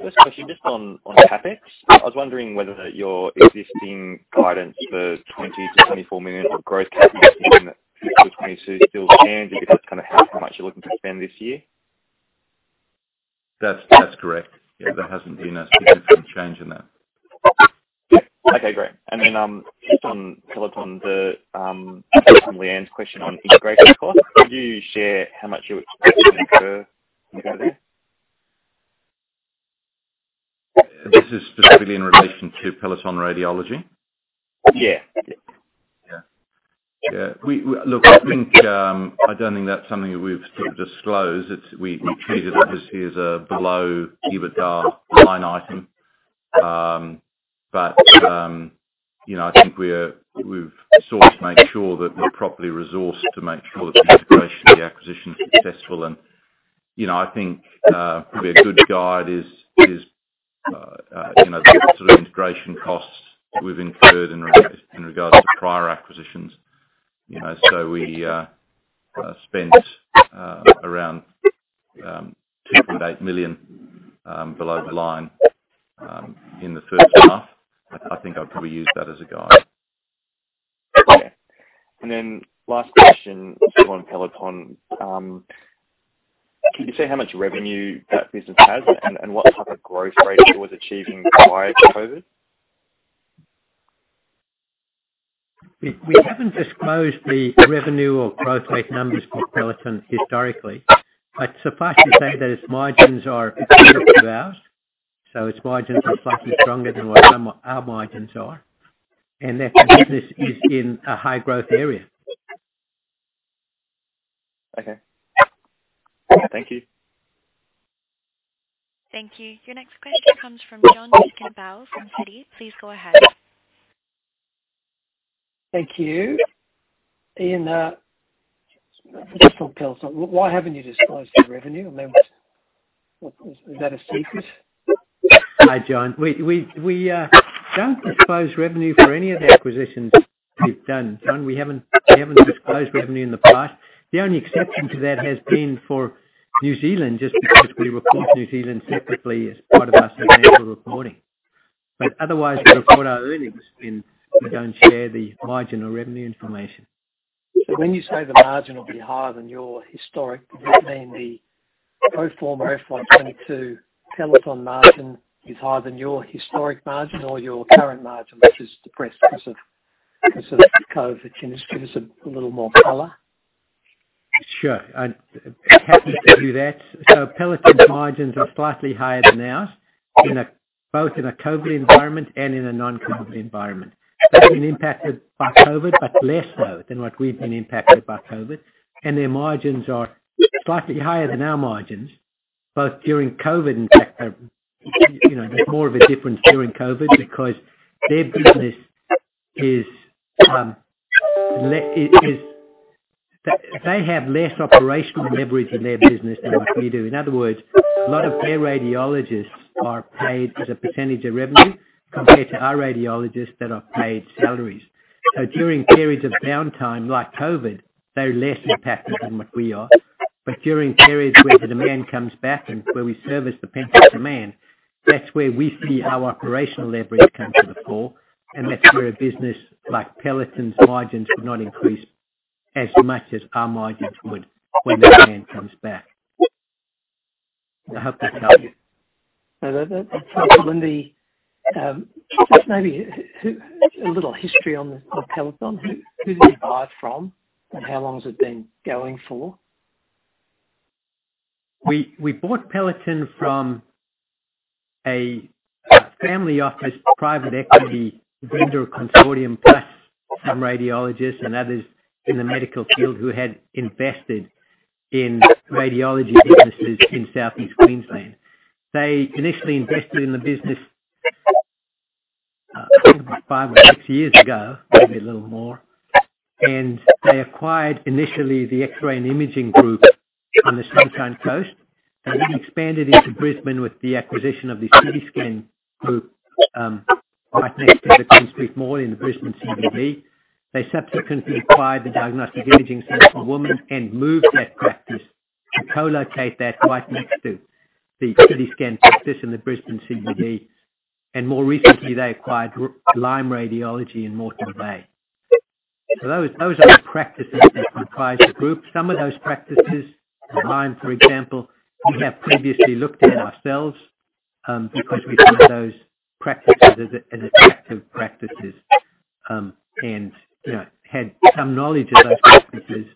First question just on CapEx. I was wondering whether your existing guidance for 20 million-24 million of growth CapEx in fiscal 2022 still stands. If you could just kind of how much you're looking to spend this year. That's correct. Yeah, there hasn't been a significant change in that. Yeah. Okay, great. Just on Peloton, based on Lyanne's question on integration costs, could you share how much you expect to incur on the back of that? This is specifically in relation to Peloton Radiology? Yeah. Look, I think I don't think that's something that we've sort of disclosed. We treat it obviously as a below EBITDA line item. You know, I think we've sought to make sure that we're properly resourced to make sure that the integration of the acquisition is successful. You know, I think probably a good guide is you know, the sort of integration costs we've incurred in regards to prior acquisitions. You know, we spent around 2.8 million below the line in the first half. I think I'd probably use that as a guide. Okay. Last question on Peloton. Can you say how much revenue that business has and what type of growth rate it was achieving prior to COVID? We haven't disclosed the revenue or growth rate numbers for Peloton historically. Suffice to say that its margins are better than ours, so its margins are slightly stronger than what our margins are, and that the business is in a high growth area. Okay. Thank you. Thank you. Your next question comes from John Campbell from Citi. Please go ahead. Thank you. Ian, just on Peloton, why haven't you disclosed the revenue? I mean, is that a secret? Hi, John. We don't disclose revenue for any of the acquisitions we've done, John. We haven't disclosed revenue in the past. The only exception to that has been for New Zealand, just because we report New Zealand separately as part of our annual reporting. Otherwise, we report our earnings, and we don't share the margin or revenue information. When you say the margin will be higher than your historic, does that mean the pro forma FY 2022 Peloton margin is higher than your historic margin or your current margin, which is depressed because of COVID? Can you just give us a little more color? Sure. I'd be happy to do that. Peloton's margins are slightly higher than ours in both a COVID environment and a non-COVID environment. They've been impacted by COVID, but less so than what we've been impacted by COVID. Their margins are slightly higher than our margins, both during COVID. In fact, there's more of a difference during COVID because their business is. They have less operational leverage in their business than what we do. In other words, a lot of their radiologists are paid as a percentage of revenue compared to our radiologists that are paid salaries. During periods of downtime like COVID, they're less impacted than what we are. During periods where the demand comes back and where we service the pent-up demand, that's where we see our operational leverage come to the fore, and that's where a business like Peloton's margins would not increase as much as our margins would when demand comes back. I hope that helps you. No, that's helpful. Just maybe a little history on Peloton. Who did you buy it from, and how long has it been going for? We bought Peloton from a family office, private equity vendor consortium, plus some radiologists and others in the medical field who had invested in radiology businesses in Southeast Queensland. They initially invested in the business five or six years ago, maybe a little more. They acquired initially the X-Ray & Imaging group on the Sunshine Coast, and then expanded into Brisbane with the acquisition of the CitiScan group right next to the Queen Street Mall in the Brisbane CBD. They subsequently acquired the Diagnostic Imaging Centre for Women and moved that practice to co-locate that right next to the CitiScan practice in the Brisbane CBD. More recently, they acquired Lime Radiology in Moreton Bay. So those are the practices that comprise the group. Some of those practices, Lime, for example, we have previously looked at ourselves, because we see those practices as attractive practices, and you know had some knowledge of those practices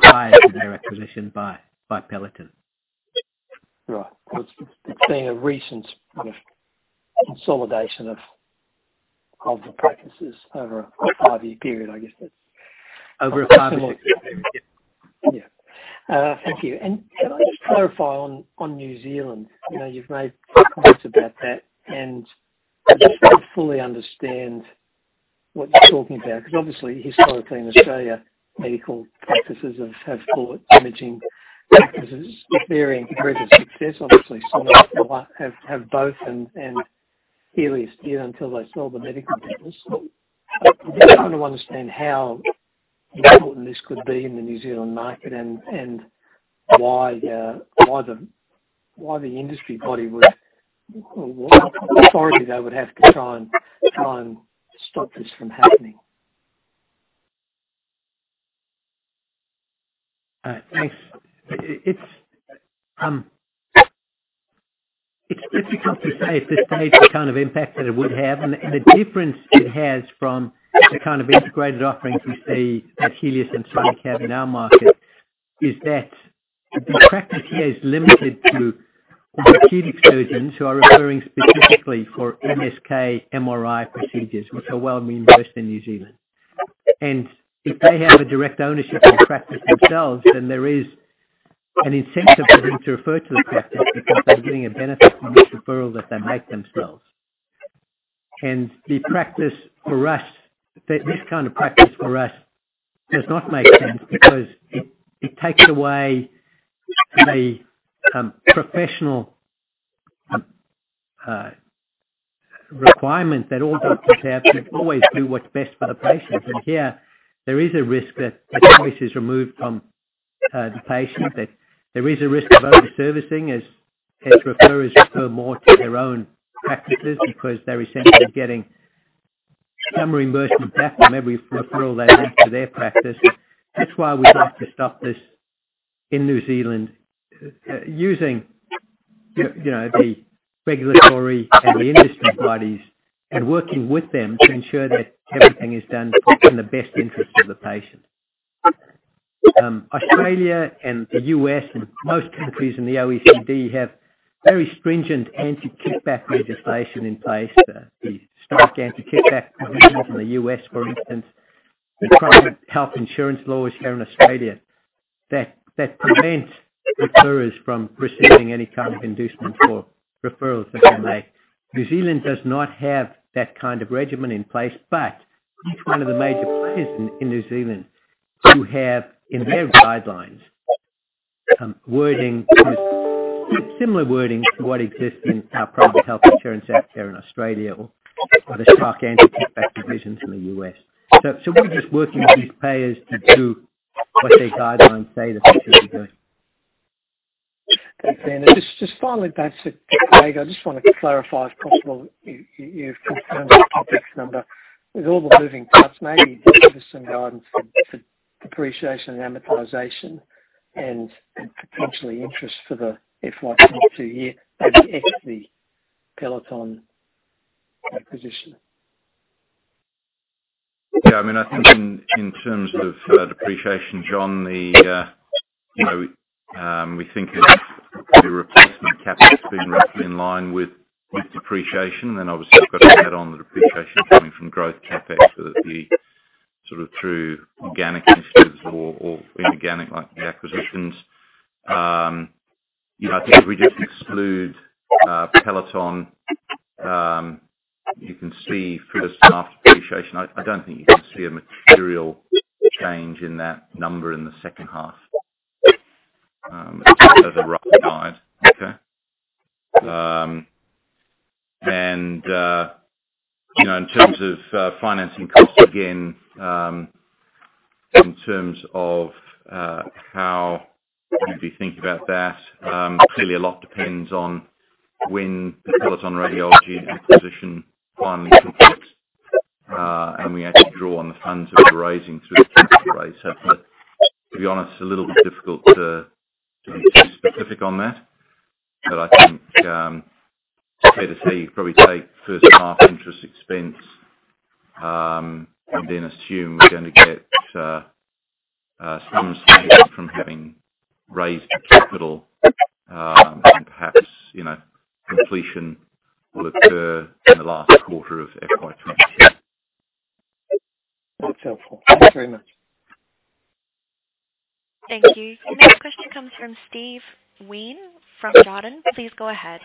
prior to their acquisition by Peloton. Right. It's been a recent kind of consolidation of the practices over a five-year period. I guess that's- Over a five-six-year period. Yeah. Yeah. Thank you. Can I just clarify on New Zealand? You know, you've made comments about that, and I'm not sure I fully understand what you're talking about, because obviously historically in Australia, medical practices have bought imaging practices with varying degrees of success. Obviously, some have both and Healius did until they sold the medical business. I'm just trying to understand how important this could be in the New Zealand market and why the industry body would or what authority they would have to try and stop this from happening. Thanks. It's difficult to say at this stage the kind of impact that it would have. The difference it has from the kind of integrated offerings we see at Healius and Sonic Healthcare in our market is that the practice here is limited to orthopedic surgeons who are referring specifically for MSK MRI procedures, which are well reimbursed in New Zealand. If they have a direct ownership in the practice themselves, then there is an incentive for them to refer to the practice because they're getting a benefit from each referral that they make themselves. The practice for us, this kind of practice for us does not make sense because it takes away the professional requirement that all doctors have to always do what's best for the patient. Here there is a risk that the choice is removed from the patient, that there is a risk of over-servicing as referrers refer more to their own practices because they're essentially getting some reimbursement back from every referral they make to their practice. That's why we'd like to stop this in New Zealand using you know the regulatory and the industry bodies and working with them to ensure that everything is done in the best interest of the patient. Australia and the U.S., and most countries in the OECD have very stringent anti-kickback legislation in place. The Stark anti-kickback provisions in the U.S., for instance, the private health insurance laws here in Australia that prevent referrers from receiving any kind of inducement for referrals that they make. New Zealand does not have that kind of regime in place. Each one of the major players in New Zealand who have in their guidelines wording similar wording to what exists in our Private Health Insurance Act here in Australia or the Stark and Anti-Kickback provisions in the U.S. We're just working with these payers to do what their guidelines say that they should be doing. Thanks, Ian. Just finally back to Craig. I just want to clarify, if possible, you've confirmed the CapEx number. With all the moving parts, maybe you can give us some guidance for depreciation and amortization and potentially interest for the FY 2022 year, maybe ex the Peloton acquisition. Yeah. I mean, I think in terms of depreciation, John, you know, we think it's the replacement CapEx has been roughly in line with depreciation. Obviously you've got to add on the depreciation coming from growth CapEx, so that'd be sort of through organic initiatives or inorganic, like the acquisitions. You know, I think if we just exclude Peloton, you can see through the sort of depreciation. I don't think you can see a material change in that number in the second half, as a rough guide. Okay? You know, in terms of financing costs, again, in terms of how you'd be thinking about that, clearly a lot depends on when the Peloton Radiology acquisition finally completes, and we actually draw on the funds that we're raising through the capital raise. To be honest, it's a little bit difficult to be too specific on that. I think it's fair to say you'd probably take first half interest expense, and then assume we're going to get some saving from having raised capital, and perhaps, you know, completion will occur in the last quarter of FY 2022. That's helpful. Thank you very much. Thank you. The next question comes from Steve Wheen from Jarden. Please go ahead.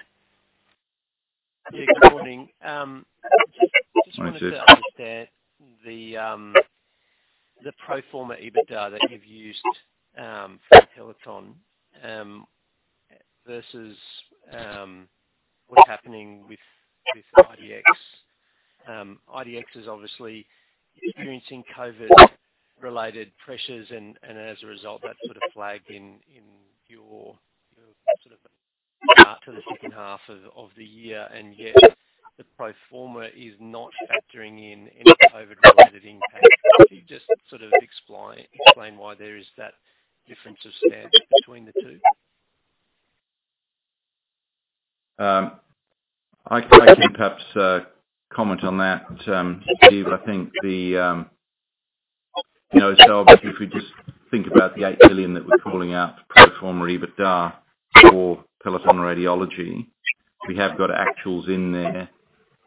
Yeah, good morning. Morning, Steve. Just wanted to understand the pro forma EBITDA that you've used for Peloton versus what's happening with IDX. IDX is obviously experiencing COVID-related pressures and as a result, that's sort of flagged in your sort of to the second half of the year, and yet the pro forma is not factoring in any COVID-related impact. Could you just sort of explain why there is that difference of stance between the two? I can perhaps comment on that, Steve. I think you know, obviously if we just think about the 8 million that we're calling out for pro forma EBITDA for Peloton Radiology, we have got actuals in there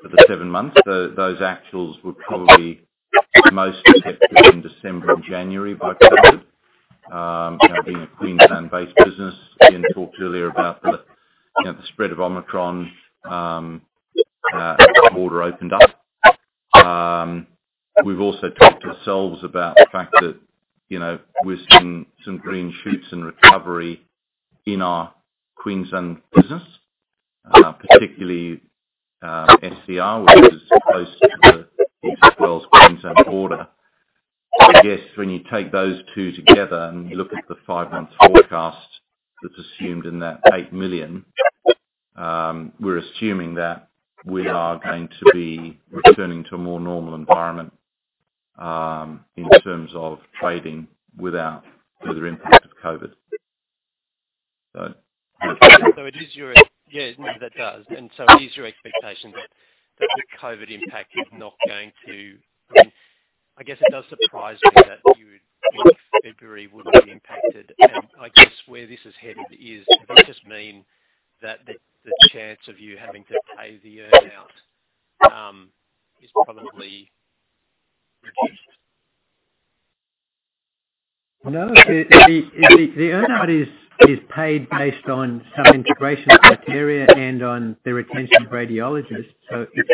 for the seven months. Those actuals were probably most affected in December and January by COVID, you know, being a Queensland-based business. Ian talked earlier about the you know, the spread of Omicron as the border opened up. We've also talked about the fact that, you know, we're seeing some green shoots and recovery in our Queensland business, particularly SCR, which is close to the New South Wales/Queensland border. I guess when you take those two together and you look at the five-month forecast that's assumed in that 8 million, we're assuming that we are going to be returning to a more normal environment, in terms of trading without further impact of COVID. Yeah. No, that does. It is your expectation that the COVID impact is not going to. I mean, I guess it does surprise me would be impacted. I guess where this is headed is, does this mean that the chance of you having to pay the earn-out is probably reduced? No. The earn-out is paid based on some integration criteria and on the retention of radiologists. It's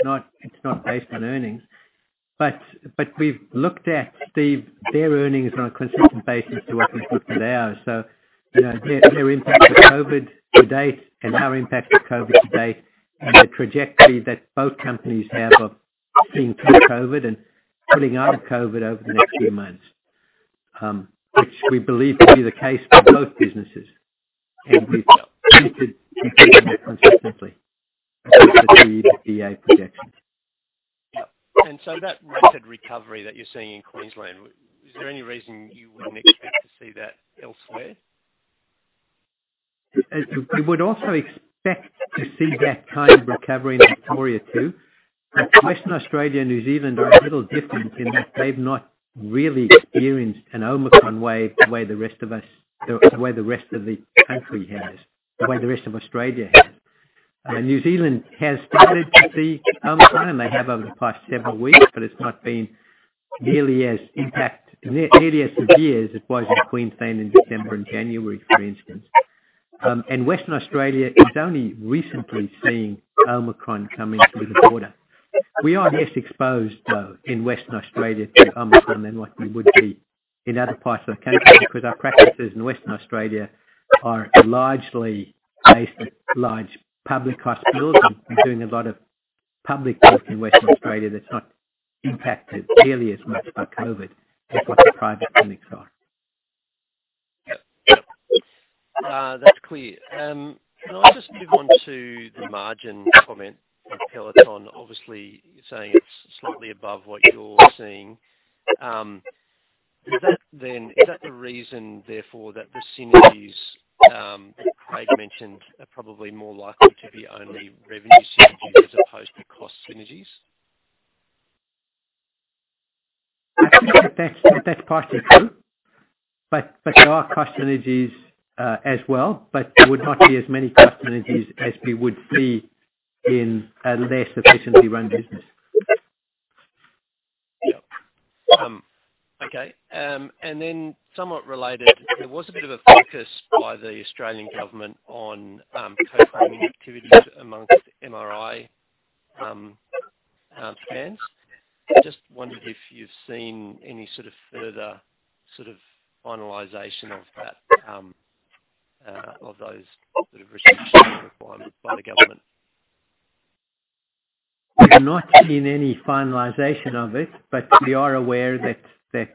not based on earnings. But we've looked at, Steve, their earnings on a consistent basis to what we've booked for ours. You know, their impact of COVID to date and our impact of COVID to date and the trajectory that both companies have of seeing through COVID and coming out of COVID over the next few months, which we believe to be the case for both businesses. We've looked at it consistently as we see the EBITDA projections. And so that rapid recovery that you're seeing in Queensland, is there any reason you wouldn't expect to see that elsewhere? We would also expect to see that kind of recovery in Victoria too. Western Australia and New Zealand are a little different in that they've not really experienced an Omicron wave the way the rest of us, or the way the rest of the country has, the way the rest of Australia has. New Zealand has started to see Omicron. They have over the past several weeks, but it's not been nearly as severe as it was in Queensland in December and January, for instance. Western Australia is only recently seeing Omicron coming through the border. We are less exposed, though, in Western Australia to Omicron than what we would be in other parts of the country because our practices in Western Australia are largely based at large public hospitals and doing a lot of public work in Western Australia that's not impacted nearly as much by COVID as what the private clinics are. That's clear. Can I just move on to the margin comment of Peloton, obviously saying it's slightly above what you're seeing. Is that the reason, therefore, that the synergies that Craig mentioned are probably more likely to be only revenue synergies as opposed to cost synergies? That's partly true, but there are cost synergies as well, but there would not be as many cost synergies as we would see in a less efficiently run business. Somewhat related, there was a bit of a focus by the Australian government on co-claiming activities among MRI scans. I just wondered if you've seen any sort of further sort of finalization of that of those sort of restrictions required by the government. We're not in any finalization of it, but we are aware that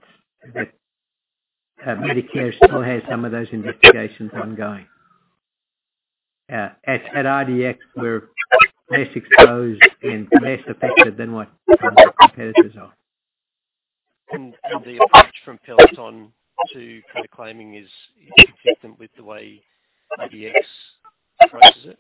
Medicare still has some of those investigations ongoing. At IDX, we're less exposed and less affected than what some of our competitors are. The approach from Peloton to co-claiming is consistent with the way IDX approaches it?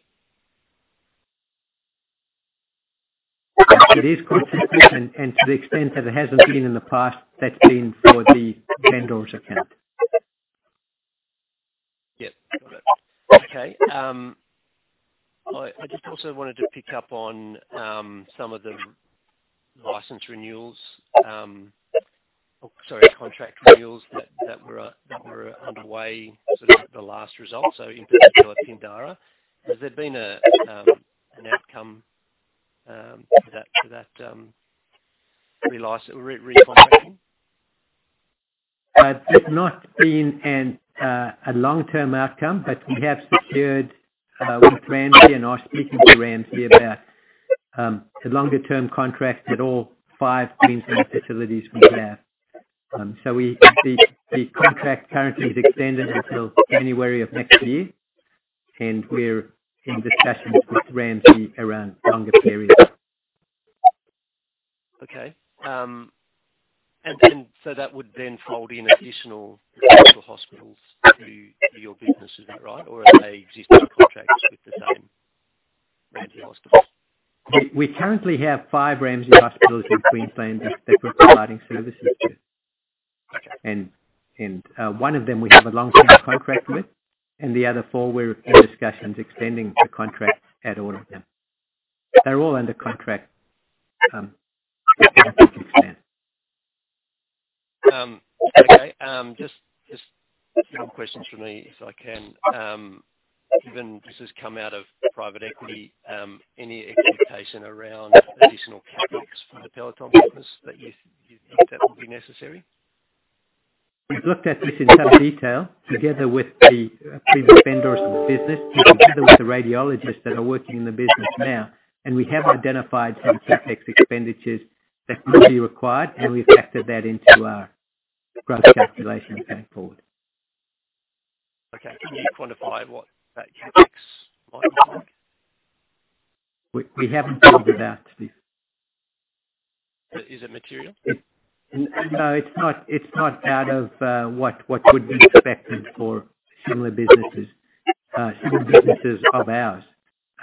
It is consistent. To the extent that it hasn't been in the past, that's been for the vendor's account. Yep. Got it. Okay. I just also wanted to pick up on some of the license renewals, or sorry, contract renewals that were underway sort of at the last result, so in particular Pindara. Has there been an outcome to that recontracting? There's not been a long-term outcome, but we have secured with Ramsay, and are speaking to Ramsay about a longer term contract at all five Queensland facilities we have. The contract currently is extended until January of next year, and we're in discussions with Ramsay around longer periods. Okay. That would then fold in additional hospitals to your business. Is that right? Or are they existing contracts with the same Ramsay Hospitals? We currently have five Ramsay Hospitals in Queensland that we're providing services to. One of them we have a long-term contract with, and the other four, we're in discussions extending the contract at all of them. They're all under contract for the future span. Okay. Just a few more questions from me, if I can. Given this has come out of private equity, any expectation around additional CapEx for the Peloton business that you think that will be necessary? We've looked at this in some detail together with the previous vendors of the business and together with the radiologists that are working in the business now, and we have identified some CapEx expenditures that will be required, and we've factored that into our growth calculation going forward. Okay. Can you quantify what that CapEx might look like? We haven't talked about this. Is it material? No, it's not out of line with what would be expected for similar businesses, single businesses of ours.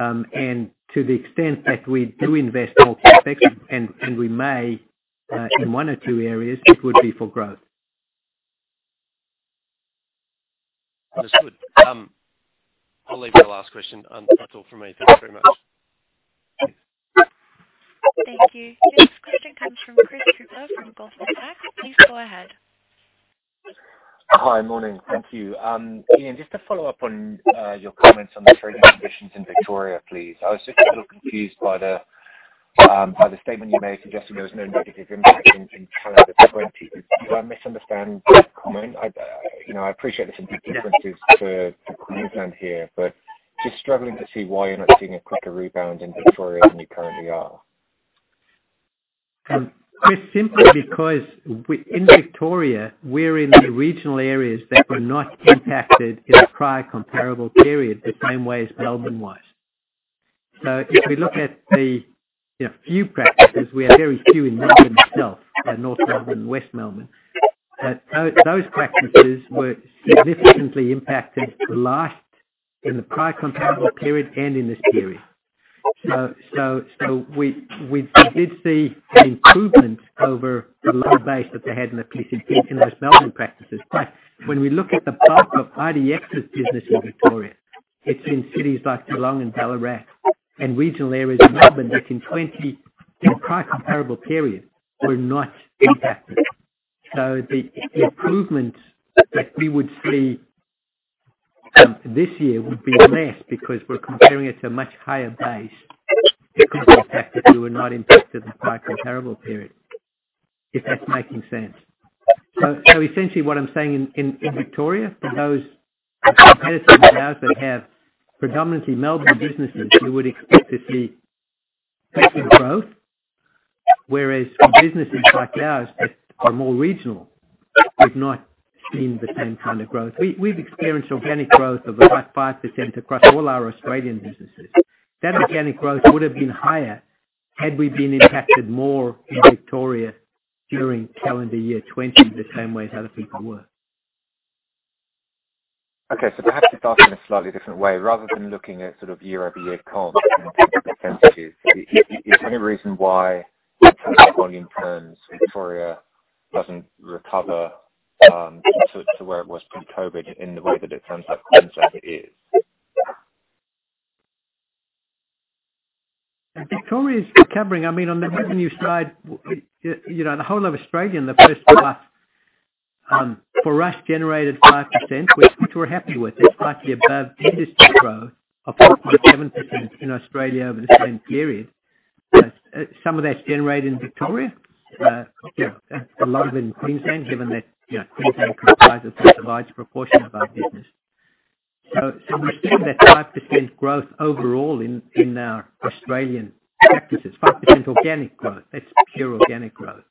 To the extent that we do invest more CapEx, and we may in one or two areas, it would be for growth. Understood. I'll leave my last question. That's all from me. Thanks very much. Thank you. This question comes from Chris Cooper from Goldman Sachs. Please go ahead. Hi. Morning. Thank you. Ian, just to follow up on your comments on the trading conditions in Victoria, please. I was just a little confused by the statement you made suggesting there was no negative impact in calendar 2020. Did I misunderstand the comment? I, you know, I appreciate there's some big differences to Queensland here, but just struggling to see why you're not seeing a quicker rebound in Victoria than you currently are. Chris, simply because in Victoria, we're in the regional areas that were not impacted in the prior comparable period the same way as Melbourne was. If we look at the, you know, few practices, we have very few in Melbourne itself, North Melbourne, West Melbourne. Those practices were significantly impacted in the prior comparable period and in this period. We did see an improvement over the low base that they had in these West Melbourne practices. When we look at the bulk of IDX's business in Victoria, it's in cities like Geelong and Ballarat and regional areas of Melbourne that in the prior comparable period were not impacted. The improvement that we would see this year would be less because we're comparing it to a much higher base that was not impacted in the prior comparable period, if that's making sense. Essentially what I'm saying in Victoria, for those competitors of ours that have predominantly Melbourne businesses, you would expect to see better growth, whereas for businesses like ours that are more regional, we've not seen the same kind of growth. We've experienced organic growth of about 5% across all our Australian businesses. That organic growth would have been higher had we been impacted more in Victoria during calendar year 2020, the same way as other people were. Perhaps just asking a slightly different way. Rather than looking at sort of year-over-year comp in percentages, is there any reason why in terms of volume terms, Victoria doesn't recover to where it was pre-COVID in the way that it turns out Queensland is? Victoria is recovering. I mean, on the revenue side, you know, the whole of Australia in the first half, for us generated 5%, which we're happy with. It's slightly above industry growth of 4.7% in Australia over the same period. Some of that's generated in Victoria. You know, a lot of it in Queensland, given that, you know, Queensland comprises such a large proportion of our business. We're seeing that 5% growth overall in our Australian practices, 5% organic growth. That's pure organic growth.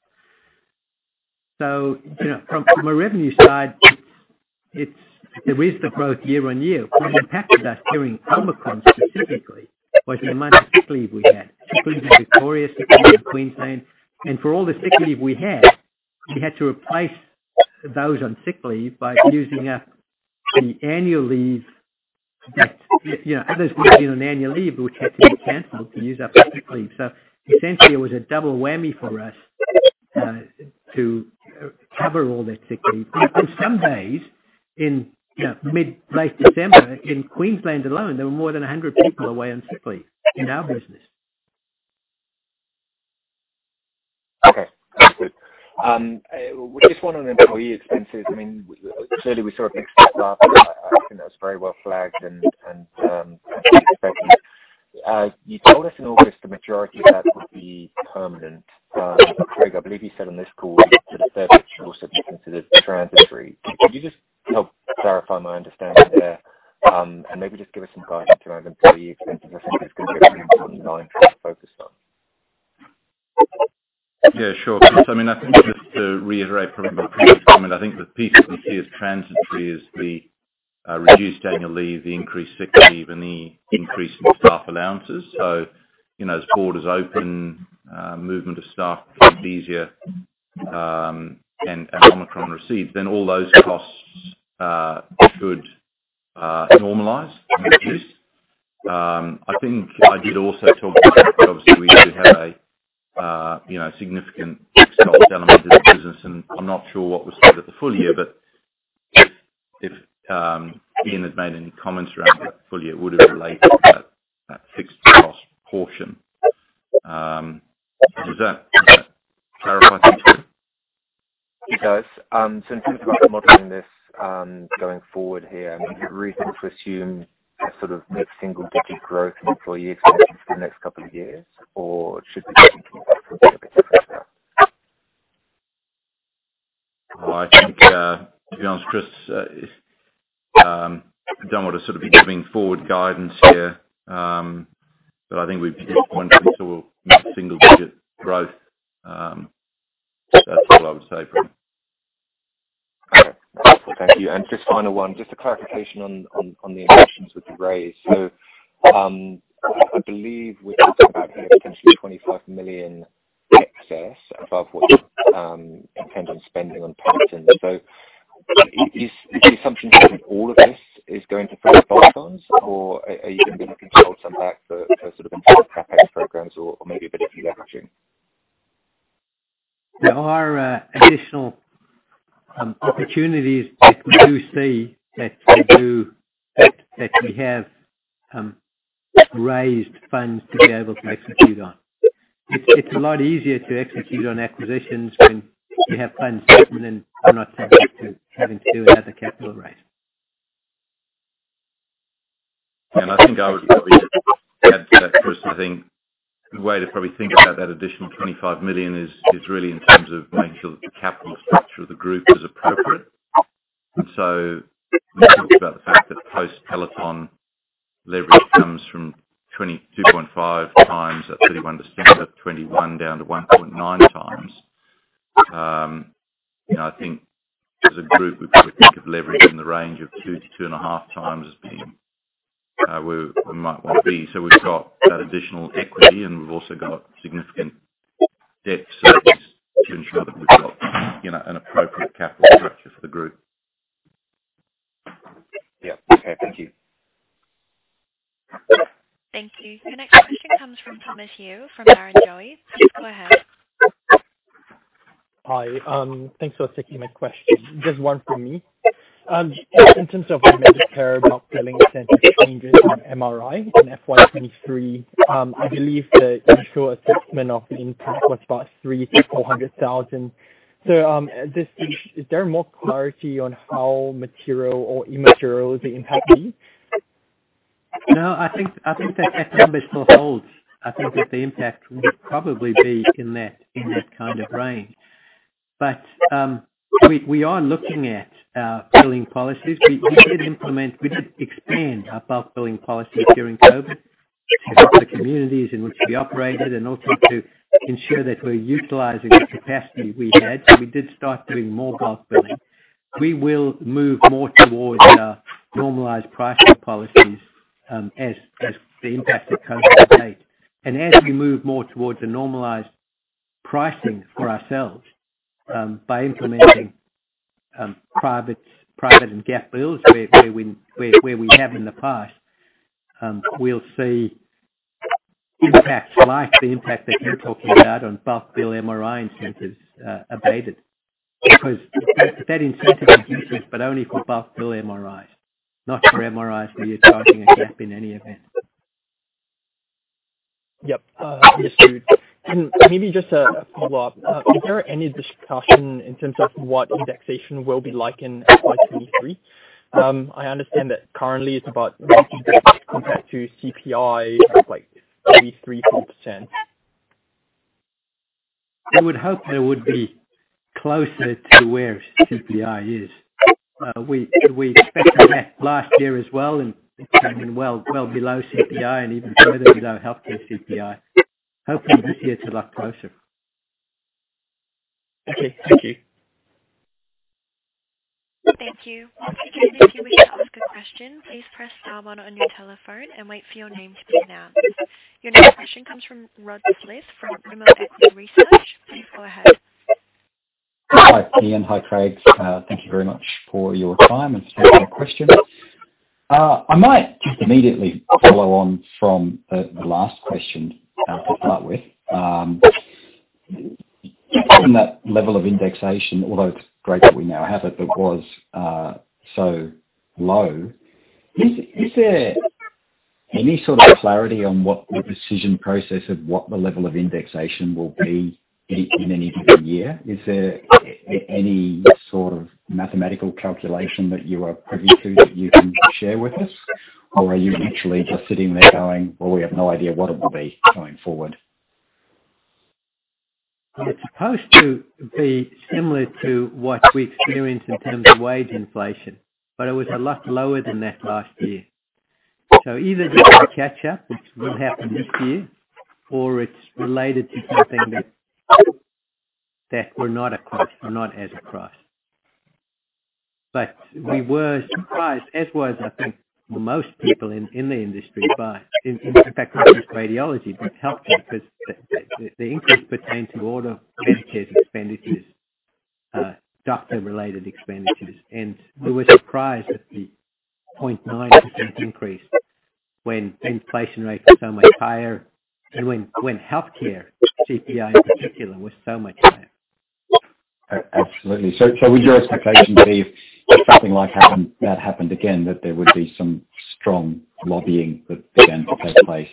From a revenue side, it's there is the growth year-on-year. What impacted us during Omicron specifically was the amount of sick leave we had, particularly in Victoria, particularly in Queensland. For all the sick leave we had, we had to replace those on sick leave by using up the annual leave that, you know, others would have been on annual leave, which had to be canceled to use up their sick leave. Essentially, it was a double whammy for us to cover all that sick leave. On some days in, you know, mid, late December, in Queensland alone, there were more than 100 people away on sick leave in our business. Okay. That's good. Just one on employee expenses. I mean, clearly we saw a mix shift last year. I think that was very well flagged and you told us in August the majority of that would be permanent. Craig, I believe you said on this call a third of it will also be considered transitory. Could you just help clarify my understanding there, and maybe just give us some guidance around employee expenses? I think it's gonna be a really important line for us to focus on. Yeah, sure, Chris. I mean, I think just to reiterate from Ian's comment, I think the piece that we see as transitory is the reduced annual leave, the increased sick leave, and the increase in staff allowances. You know, as borders open, movement of staff gets easier, and Omicron recedes, then all those costs could normalize in the piece. I think I did also talk about the fact that obviously we did have a you know, significant fixed cost element to the business, and I'm not sure what was said at the full year. If Ian had made any comments around the full year, it would have related to that fixed cost portion. Does that you know, clarify things for you? It does. In terms of modeling this, going forward here, I mean, is there reason to assume a sort of mid-single digit growth in employee expenses for the next couple of years, or should we be thinking about something a bit different? Well, I think, to be honest, Chris, I don't wanna sort of be giving forward guidance here. I think we'd be disappointed if we saw mid-single digit growth. That's all I would say, probably. Okay. Thank you. Just final one, just a clarification on the excess with the raise. I believe we're talking about potentially 25 million excess above what intended spending on Peloton. So is the assumption that all of this is going to or are you gonna be looking to hold some back for sort of internal CapEx programs or maybe a bit of deleveraging? There are additional opportunities that we see that we have raised funds to be able to execute on. It's a lot easier to execute on acquisitions when you have funds sitting and are not subject to having to do another capital raise. I think I would probably add to that, Chris. I think the way to probably think about that additional 25 million is really in terms of making sure that the capital structure of the group is appropriate. When we talk about the fact that post Peloton leverage comes from 22.5x at 31 December 2021 down to 1.9x. You know, I think as a group, we probably think of leverage in the range of 2-2.5x as being where we might want to be. We've got that additional equity, and we've also got significant debt service to ensure that we've got, you know, an appropriate capital structure for the group. Yeah. Okay. Thank you. Thank you. The next question comes from Thomas Hugh from Barrenjoey. Go ahead. Hi. Thanks for taking my question. Just one from me. In terms of the Medicare bulk billing center changes on MRI in FY 2023, I believe the initial assessment of the impact was about 300,000-400,000. Just, is there more clarity on how material or immaterial the impact is? No, I think that number still holds. I think that the impact would probably be in that kind of range. We are looking at billing policies. We did expand our bulk billing policies during COVID to help the communities in which we operated and also to ensure that we're utilizing the capacity we had. We did start doing more bulk billing. We will move more towards normalized pricing policies as the impacts of COVID abate. As we move more towards a normalized pricing for ourselves by implementing private and gap bills where we have in the past, we'll see impacts like the impact that you're talking about on bulk bill MRI incentives abated. Because that incentive exists, but only for bulk bill MRIs, not for MRIs where you're charging a gap in any event. Yep. Understood. Maybe just a follow-up. Is there any discussion in terms of what indexation will be like in FY 2023? I understand that currently it's about compared to CPI of like 33%-40%. I would hope that it would be closer to where CPI is. We expected that last year as well, and it came in well below CPI and even further below healthcare CPI. Hoping this year to look closer. Okay. Thank you. Thank you. Once again, if you wish to ask a question, please press star one on your telephone and wait for your name to be announced. Your next question comes from Rod Gilliss from Rimor Equity Research. Please go ahead. Hi, Ian. Hi, Craig. Thank you very much for your time and for taking my question. I might just immediately follow on from the last question to start with. Given that level of indexation, although it's great that we now have it, but was so low, is there any sort of clarity on what the decision process of what the level of indexation will be in any given year? Is there any sort of mathematical calculation that you are privy to that you can share with us? Or are you literally just sitting there going, "Well, we have no idea what it will be going forward. It's supposed to be similar to what we experience in terms of wage inflation, but it was a lot lower than that last year. Either there's a catch-up, which will happen this year, or it's related to something that we're not across or not as across. We were surprised, as was I think most people in the industry, by in fact, not just radiology, but healthcare. Because the increase pertained to all the Medicare's expenditures, doctor-related expenditures. We were surprised at the 0.9% increase when inflation rate was so much higher and when healthcare CPI in particular was so much higher. Absolutely. Would your expectation be if something like happened, that happened again, that there would be some strong lobbying that then would take place?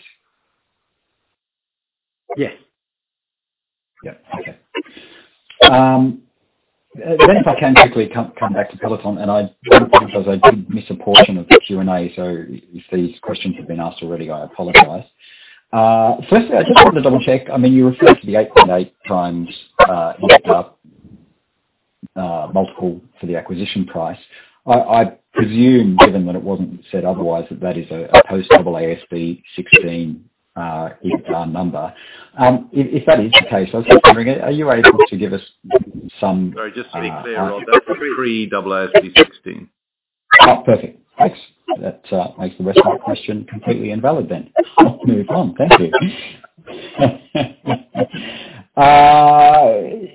Yes. If I can quickly come back to Peloton, and I apologize. I did miss a portion of the Q&A. If these questions have been asked already, I apologize. Firstly, I just wanted to double check. I mean, you referred to the 8.8x EBITDA multiple for the acquisition price. I presume given that it wasn't said otherwise, that that is a post-AASB 16 EBITDA number. If that is the case, I was just wondering, are you able to give us some- Sorry, just to be clear, Rod, that was pre-AASB 16. Oh, perfect. Thanks. That makes the rest of my question completely invalid then. I'll move on. Thank you.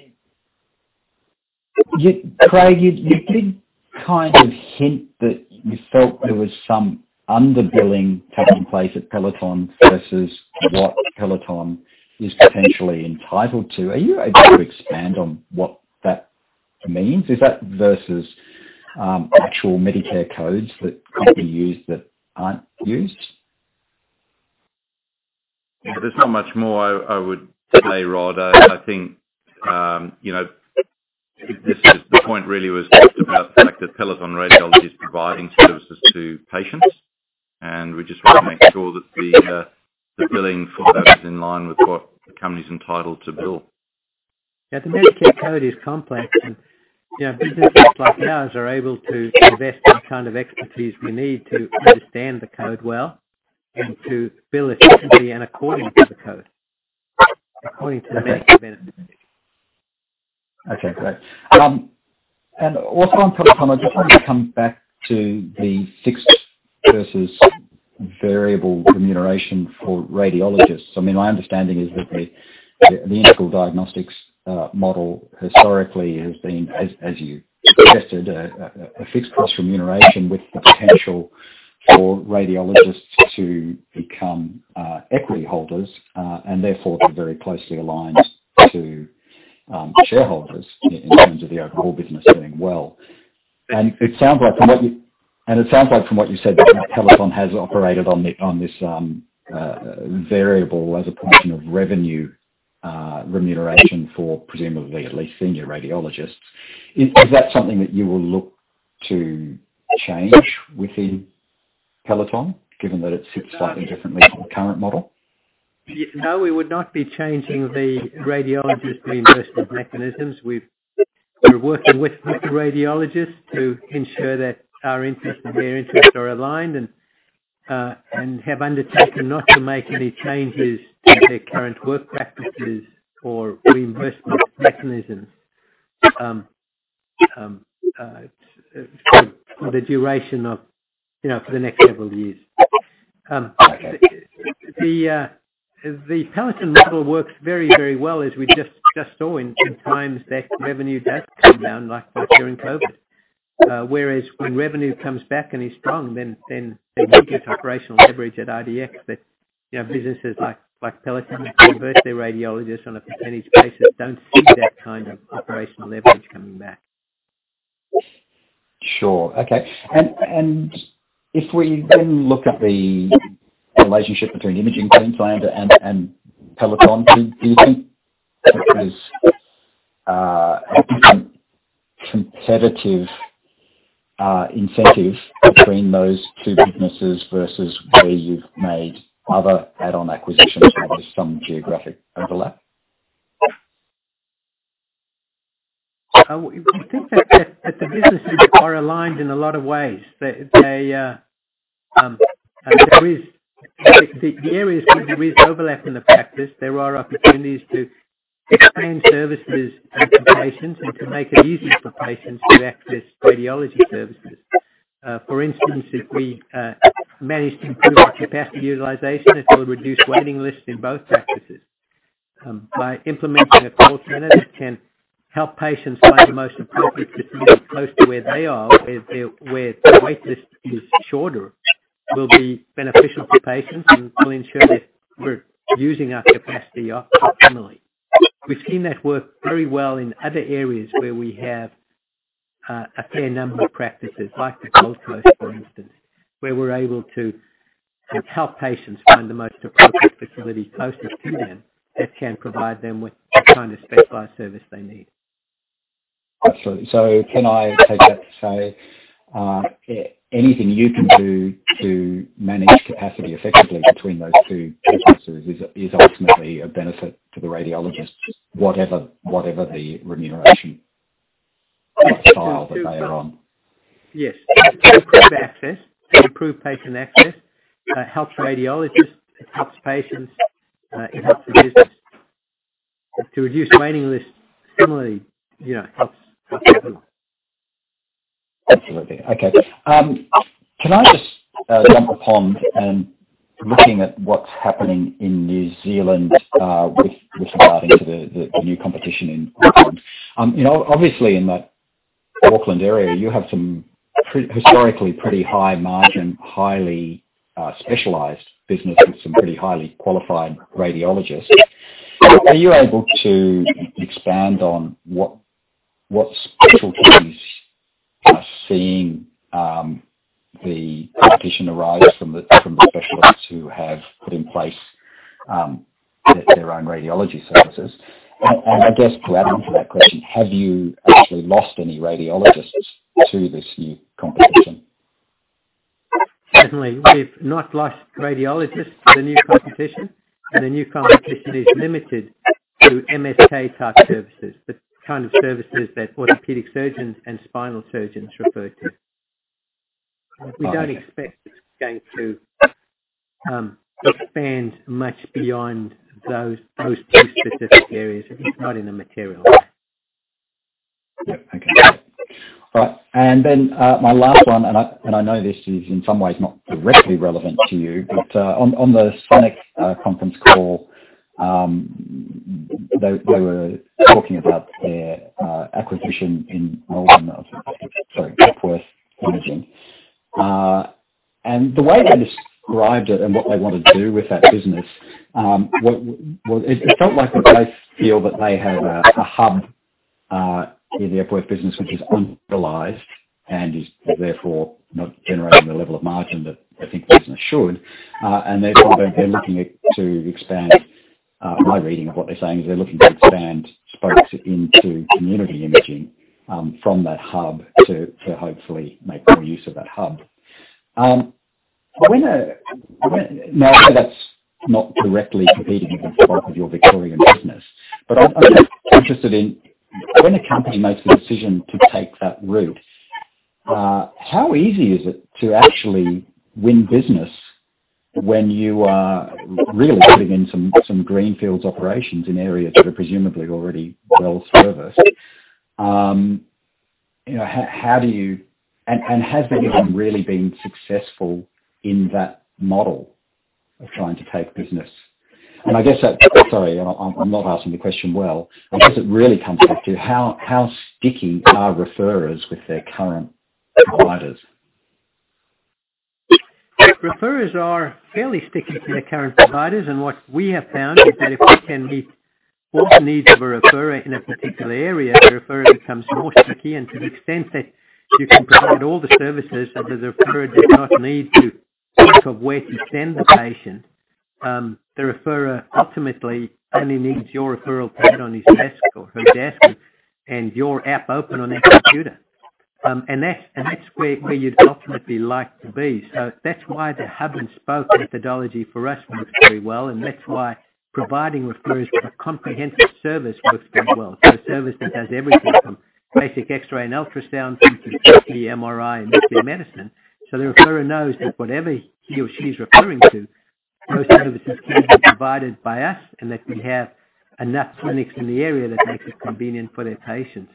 Craig, you did kind of hint that you felt there was some under-billing taking place at Peloton versus what Peloton is potentially entitled to. Are you able to expand on what that means? Is that versus actual Medicare codes that could be used that aren't used? There's not much more I would say, Rod. I think, you know, the point really was just about the fact that Peloton Radiology is providing services to patients, and we just want to make sure that the billing for that is in line with what the company is entitled to bill. Yeah. The Medicare code is complex and, you know, businesses like ours are able to invest the kind of expertise we need to understand the code well and to bill efficiently and according to the Medicare benefits. Okay, great. Also on Peloton, I just want to come back to the fixed versus variable remuneration for radiologists. I mean, my understanding is that the Integral Diagnostics model historically has been, as you suggested, a fixed plus remuneration with the potential for radiologists to become equity holders, and therefore, they're very closely aligned to shareholders in terms of the overall business doing well. It sounds like from what you said that Peloton has operated on this variable as a portion of revenue remuneration for presumably at least senior radiologists. Is that something that you will look to change within Peloton given that it sits slightly differently from the current model? No, we would not be changing the radiologist reimbursement mechanisms. We're working with the radiologists to ensure that our interests and their interests are aligned and have undertaken not to make any changes to their current work practices or reimbursement mechanisms for the duration of, you know, for the next several years. Okay. The Peloton model works very well as we just saw in times that revenue does come down like during COVID. Whereas when revenue comes back and is strong, then there is this operational leverage at IDX that, you know, businesses like Peloton that revert their radiologists on a percentage basis don't see that kind of operational leverage coming back. Sure. Okay. If we then look at the relationship between Imaging Queensland and Peloton, do you think there is a competitive incentive between those two businesses versus where you've made other add-on acquisitions where there's some geographic overlap? We think that the businesses are aligned in a lot of ways. The areas where there is overlap in the practice, there are opportunities to expand services to patients and to make it easier for patients to access radiology services. For instance, if we manage to improve our capacity utilization, it will reduce waiting lists in both practices. By implementing a call center that can help patients find the most appropriate facility close to where they are, where waiting list is shorter, will be beneficial to patients and will ensure that we're using our capacity optimally. We've seen that work very well in other areas where we have a fair number of practices, like the Gold Coast, for instance. Where we're able to help patients find the most appropriate facility closest to them that can provide them with the kind of specialized service they need. Absolutely. Can I take that to say, anything you can do to manage capacity effectively between those two practices is ultimately a benefit to the radiologist, whatever the remuneration profile that they're on? Yes. To improve access, to improve patient access, helps radiologists, it helps patients, it helps the business. To reduce waiting lists similarly, you know, helps everyone. Absolutely. Okay. Can I just jump in on and looking at what's happening in New Zealand with regard to the new competition in Auckland. You know, obviously in that Auckland area, you have some historically pretty high margin, highly specialized business with some pretty highly qualified radiologists. Are you able to expand on what specialties are seeing the competition arise from the specialists who have put in place their own radiology services? And I guess to add on to that question, have you actually lost any radiologists to this new competition? Certainly. We've not lost radiologists to the new competition, and the new competition is limited to MSK type services, the kind of services that orthopedic surgeons and spinal surgeons refer to. We don't expect it's going to expand much beyond those two specific areas. If it's not in a material way. Yep. Okay. All right. My last one, and I know this is in some ways not directly relevant to you, but on the Sonic conference call, they were talking about their acquisition in Melbourne of, sorry, Epworth Imaging. The way they described it and what they want to do with that business, it felt like that they feel that they have a hub in the Epworth business which is underutilized and is therefore not generating the level of margin that I think the business should. Therefore, they're looking at to expand. My reading of what they're saying is they're looking to expand spokes into community imaging from that hub to hopefully make good use of that hub. When... Now, I know that's not directly competing with the scope of your Victorian business, but I'm just interested in when a company makes the decision to take that route, how easy is it to actually win business when you are really putting in some greenfields operations in areas that are presumably already well-serviced? You know, has anyone really been successful in that model of trying to take business? Sorry, I'm not asking the question well. I guess it really comes back to how sticky are referrers with their current providers? Referrers are fairly sticky to their current providers, and what we have found is that if we can meet all the needs of a referrer in a particular area, the referrer becomes more sticky. To the extent that you can provide all the services so that the referrer does not need to think of where to send the patient, the referrer ultimately only needs your referral pad on his desk or her desk and your app open on their computer. That's where you'd ultimately like to be. That's why the hub and spoke methodology for us works very well, and that's why providing referrers with a comprehensive service works very well. A service that has everything from basic X-ray and ultrasound through to CT, MRI, and nuclear medicine. The referrer knows that whatever he or she's referring to, most services can be provided by us, and that we have enough clinics in the area that makes it convenient for their patients.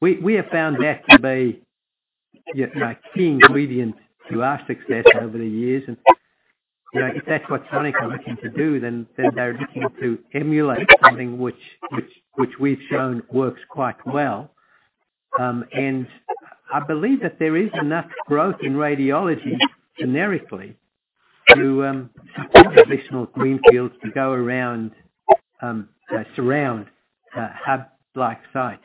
We have found that to be a key ingredient to our success over the years and, you know, if that's what Sonic are looking to do, then they're looking to emulate something which we've shown works quite well. I believe that there is enough growth in radiology generically to support additional greenfields to go around surrounding hub-like sites.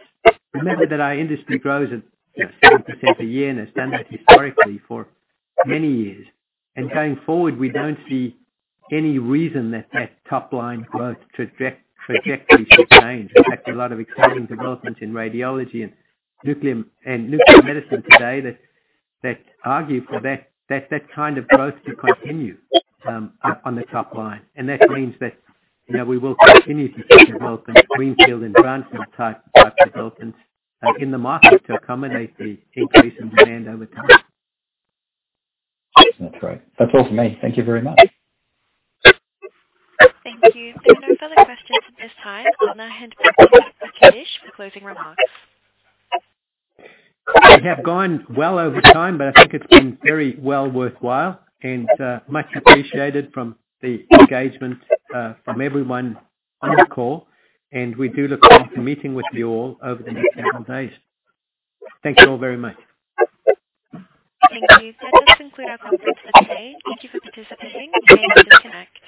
Remember that our industry grows at 7% a year, and it's done that historically for many years. Going forward, we don't see any reason that top-line growth trajectory should change. In fact, a lot of exciting developments in radiology and nuclear, and nuclear medicine today that argue for that kind of growth to continue up on the top line. That means that, you know, we will continue to see development of greenfield and brownfield type developments in the market to accommodate the increase in demand over time. That's great. That's all for me. Thank you very much. Thank you. There are no further questions at this time. I'll now hand back to you, Kadish, for closing remarks. We have gone well over time, but I think it's been very well worthwhile and much appreciated from the engagement from everyone on this call, and we do look forward to meeting with you all over the next couple days. Thank you all very much. Thank you. That does conclude our conference for today. Thank you for participating and please disconnect.